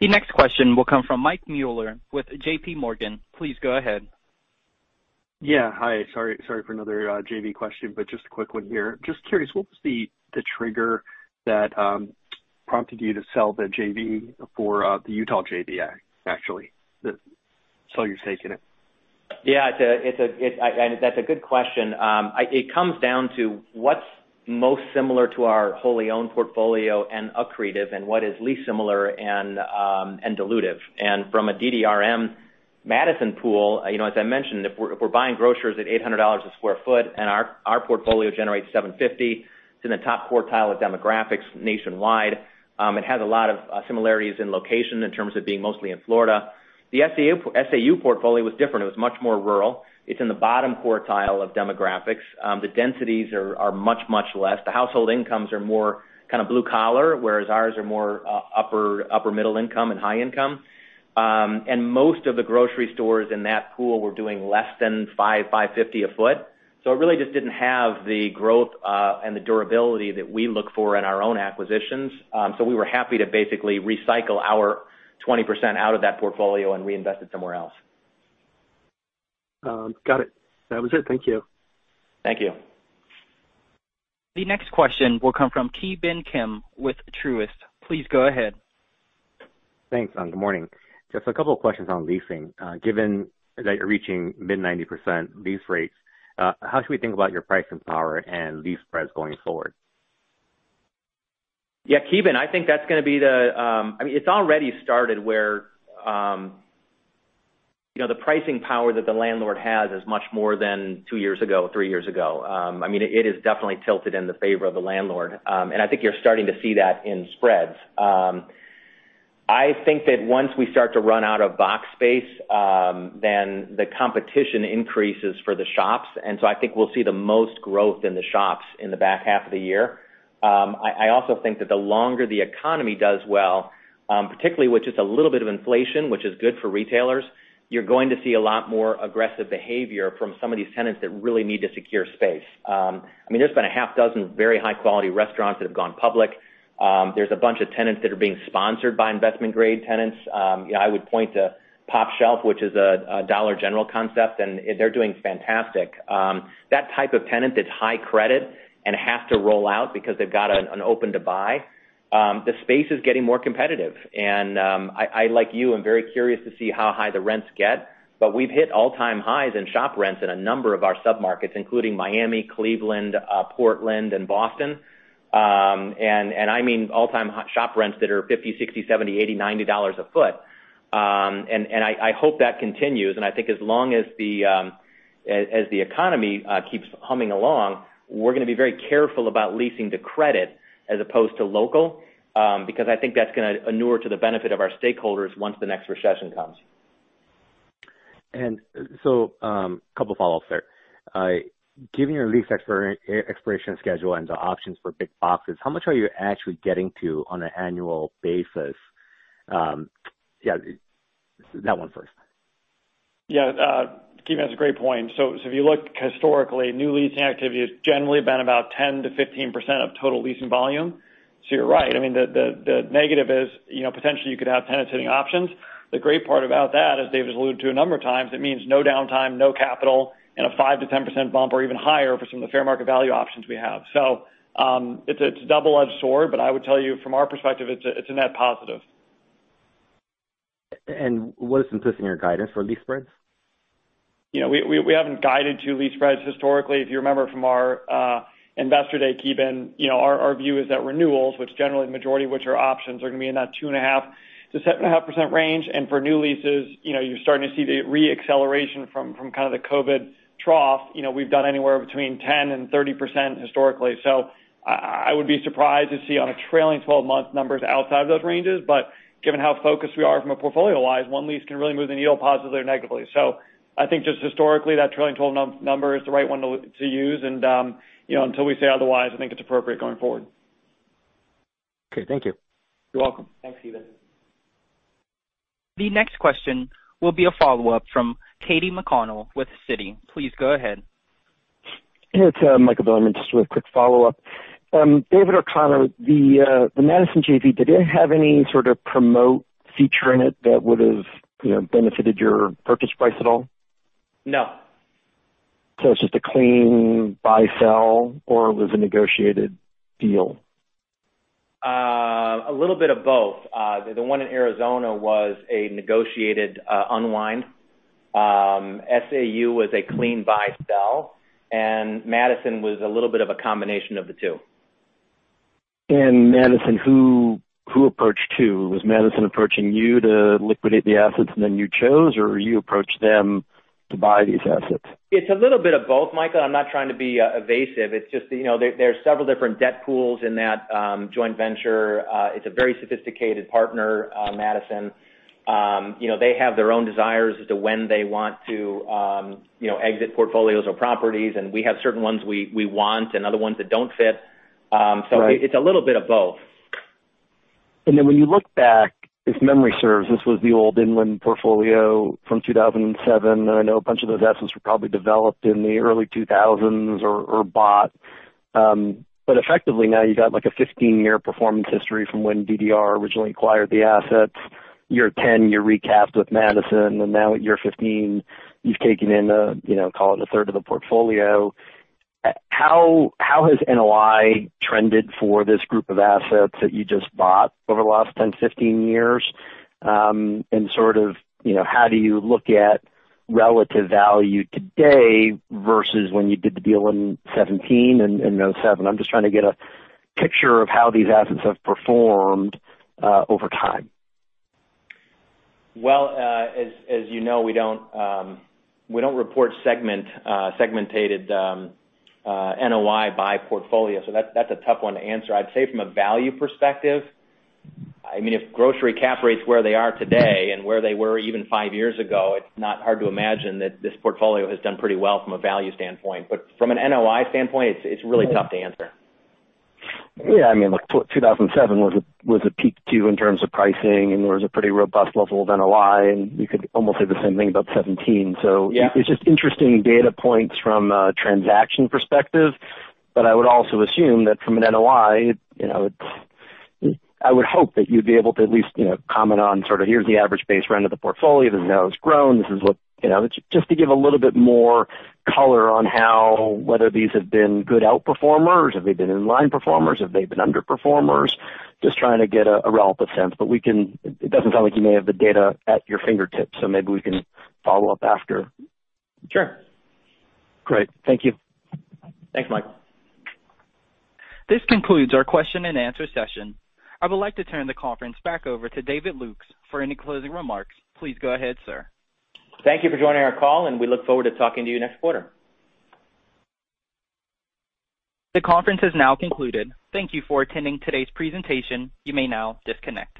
The next question will come from Michael Mueller with JPMorgan. Please go ahead. Yeah. Hi. Sorry for another JV question, but just a quick one here. Just curious, what was the trigger that prompted you to sell the JV for the Utah JV, actually, sell your stake in it? It's a good question. It comes down to what's most similar to our wholly owned portfolio and accretive and what is least similar and dilutive. From a DDRM Madison pool, you know, as I mentioned, if we're buying grocers at $800 a sq ft and our portfolio generates $750, it's in the top quartile of demographics nationwide. It has a lot of similarities in location in terms of being mostly in Florida. The SAU portfolio was different. It was much more rural. It's in the bottom quartile of demographics. The densities are much less. The household incomes are more kind of blue collar, whereas ours are more upper middle income and high income. Most of the grocery stores in that pool were doing less than $550 a foot. It really just didn't have the growth and the durability that we look for in our own acquisitions. We were happy to basically recycle our 20% out of that portfolio and reinvest it somewhere else. Got it. That was it. Thank you. Thank you. The next question will come from Ki Bin Kim with Truist. Please go ahead. Thanks, and good morning. Just a couple of questions on leasing. Given that you're reaching mid-90% lease rates, how should we think about your pricing power and lease spreads going forward? Yeah, Ki Bin, I think that's gonna be the. I mean, it's already started where, you know, the pricing power that the landlord has is much more than two years ago, three years ago. I mean, it is definitely tilted in the favor of the landlord. I think you're starting to see that in spreads. I think that once we start to run out of box space, then the competition increases for the shops. I think we'll see the most growth in the shops in the back half of the year. I also think that the longer the economy does well, particularly with just a little bit of inflation, which is good for retailers, you're going to see a lot more aggressive behavior from some of these tenants that really need to secure space. I mean, there's been six very high quality restaurants that have gone public. There's a bunch of tenants that are being sponsored by investment grade tenants. You know, I would point to pOpshelf, which is a Dollar General concept, and they're doing fantastic. That type of tenant that's high credit and has to roll out because they've got an open to buy, the space is getting more competitive. I like you, I'm very curious to see how high the rents get. We've hit all-time highs in shop rents in a number of our submarkets, including Miami, Cleveland, Portland, and Boston. I mean, all-time shop rents that are $50, $60, $70, $80, $90 a foot. I hope that continues. I think as long as the economy keeps humming along, we're gonna be very careful about leasing to credit as opposed to local, because I think that's gonna inure to the benefit of our stakeholders once the next recession comes. A couple follow-ups there. Given your lease expiration schedule and the options for big boxes, how much are you actually getting to on an annual basis? Yeah, that one first. Yeah, Ki Bin, that's a great point. If you look historically, new leasing activity has generally been about 10%-15% of total leasing volume. You're right. I mean, the negative is, you know, potentially you could have tenants hitting options. The great part about that, as David's alluded to a number of times, it means no downtime, no capital, and a 5%-10% bump or even higher for some of the fair market value options we have. It's a double-edged sword, but I would tell you from our perspective, it's a net positive. What is implicit in your guidance for lease spreads? You know, we haven't guided to lease spreads historically. If you remember from our investor day, Keven, you know, our view is that renewals, which generally the majority of which are options, are gonna be in that 2.5%-7.5% range. For new leases, you know, you're starting to see the re-acceleration from kind of the COVID trough. You know, we've done anywhere between 10%-30% historically. I would be surprised to see on a trailing-twelve-month numbers outside of those ranges. Given how focused we are from a portfolio-wise, one lease can really move the needle positively or negatively. I think just historically, that trailing twelve-month number is the right one to use. You know, until we say otherwise, I think it's appropriate going forward. Okay, thank you. You're welcome. Thanks, Keven. The next question will be a follow-up from Katy McConnell with Citi. Please go ahead. It's Michael Bilerman, just with a quick follow-up. David Lukes, the Madison JV, did it have any sort of promote feature in it that would've, you know, benefited your purchase price at all? No. It's just a clean buy-sell, or it was a negotiated deal? A little bit of both. The one in Arizona was a negotiated unwind. SAU was a clean buy-sell, and Madison was a little bit of a combination of the two. Madison, who approached who? Was Madison approaching you to liquidate the assets and then you chose, or you approached them to buy these assets? It's a little bit of both, Michael. I'm not trying to be evasive. It's just that, you know, there are several different debt pools in that joint venture. It's a very sophisticated partner, Madison. You know, they have their own desires as to when they want to, you know, exit portfolios or properties, and we have certain ones we want and other ones that don't fit. Right. It's a little bit of both. Then when you look back, if memory serves, this was the old Inland portfolio from 2007. I know a bunch of those assets were probably developed in the early 2000s or bought. But effectively now you've got like a 15-year performance history from when DDR originally acquired the assets. Year 10, you recapped with Madison, and now at year 15, you've taken in a, you know, call it a third of the portfolio. How has NOI trended for this group of assets that you just bought over the last 10, 15 years? Sort of, you know, how do you look at relative value today versus when you did the deal in 2017 and in 2007? I'm just trying to get a picture of how these assets have performed over time. Well, as you know, we don't report segmented NOI by portfolio, so that's a tough one to answer. I'd say from a value perspective, I mean, if grocery cap rates where they are today and where they were even five years ago, it's not hard to imagine that this portfolio has done pretty well from a value standpoint. From an NOI standpoint, it's really tough to answer. Yeah. I mean, like, 2007 was a peak too in terms of pricing and was a pretty robust level of NOI, and you could almost say the same thing about 2017. Yeah. It's just interesting data points from a transaction perspective, but I would also assume that from an NOI, you know, it's. I would hope that you'd be able to at least, you know, comment on sort of here's the average base rent of the portfolio. This is how it's grown. This is what. You know, just to give a little bit more color on how whether these have been good outperformers. Have they been in-line performers? Have they been underperformers? Just trying to get a relative sense. We can. It doesn't sound like you may have the data at your fingertips, so maybe we can follow up after. Sure. Great. Thank you. Thanks, Michael. This concludes our Q&A session. I would like to turn the conference back over to David Lukes for any closing remarks. Please go ahead, sir. Thank you for joining our call, and we look forward to talking to you next quarter. The conference has now concluded. Thank you for attending today's presentation. You may now disconnect.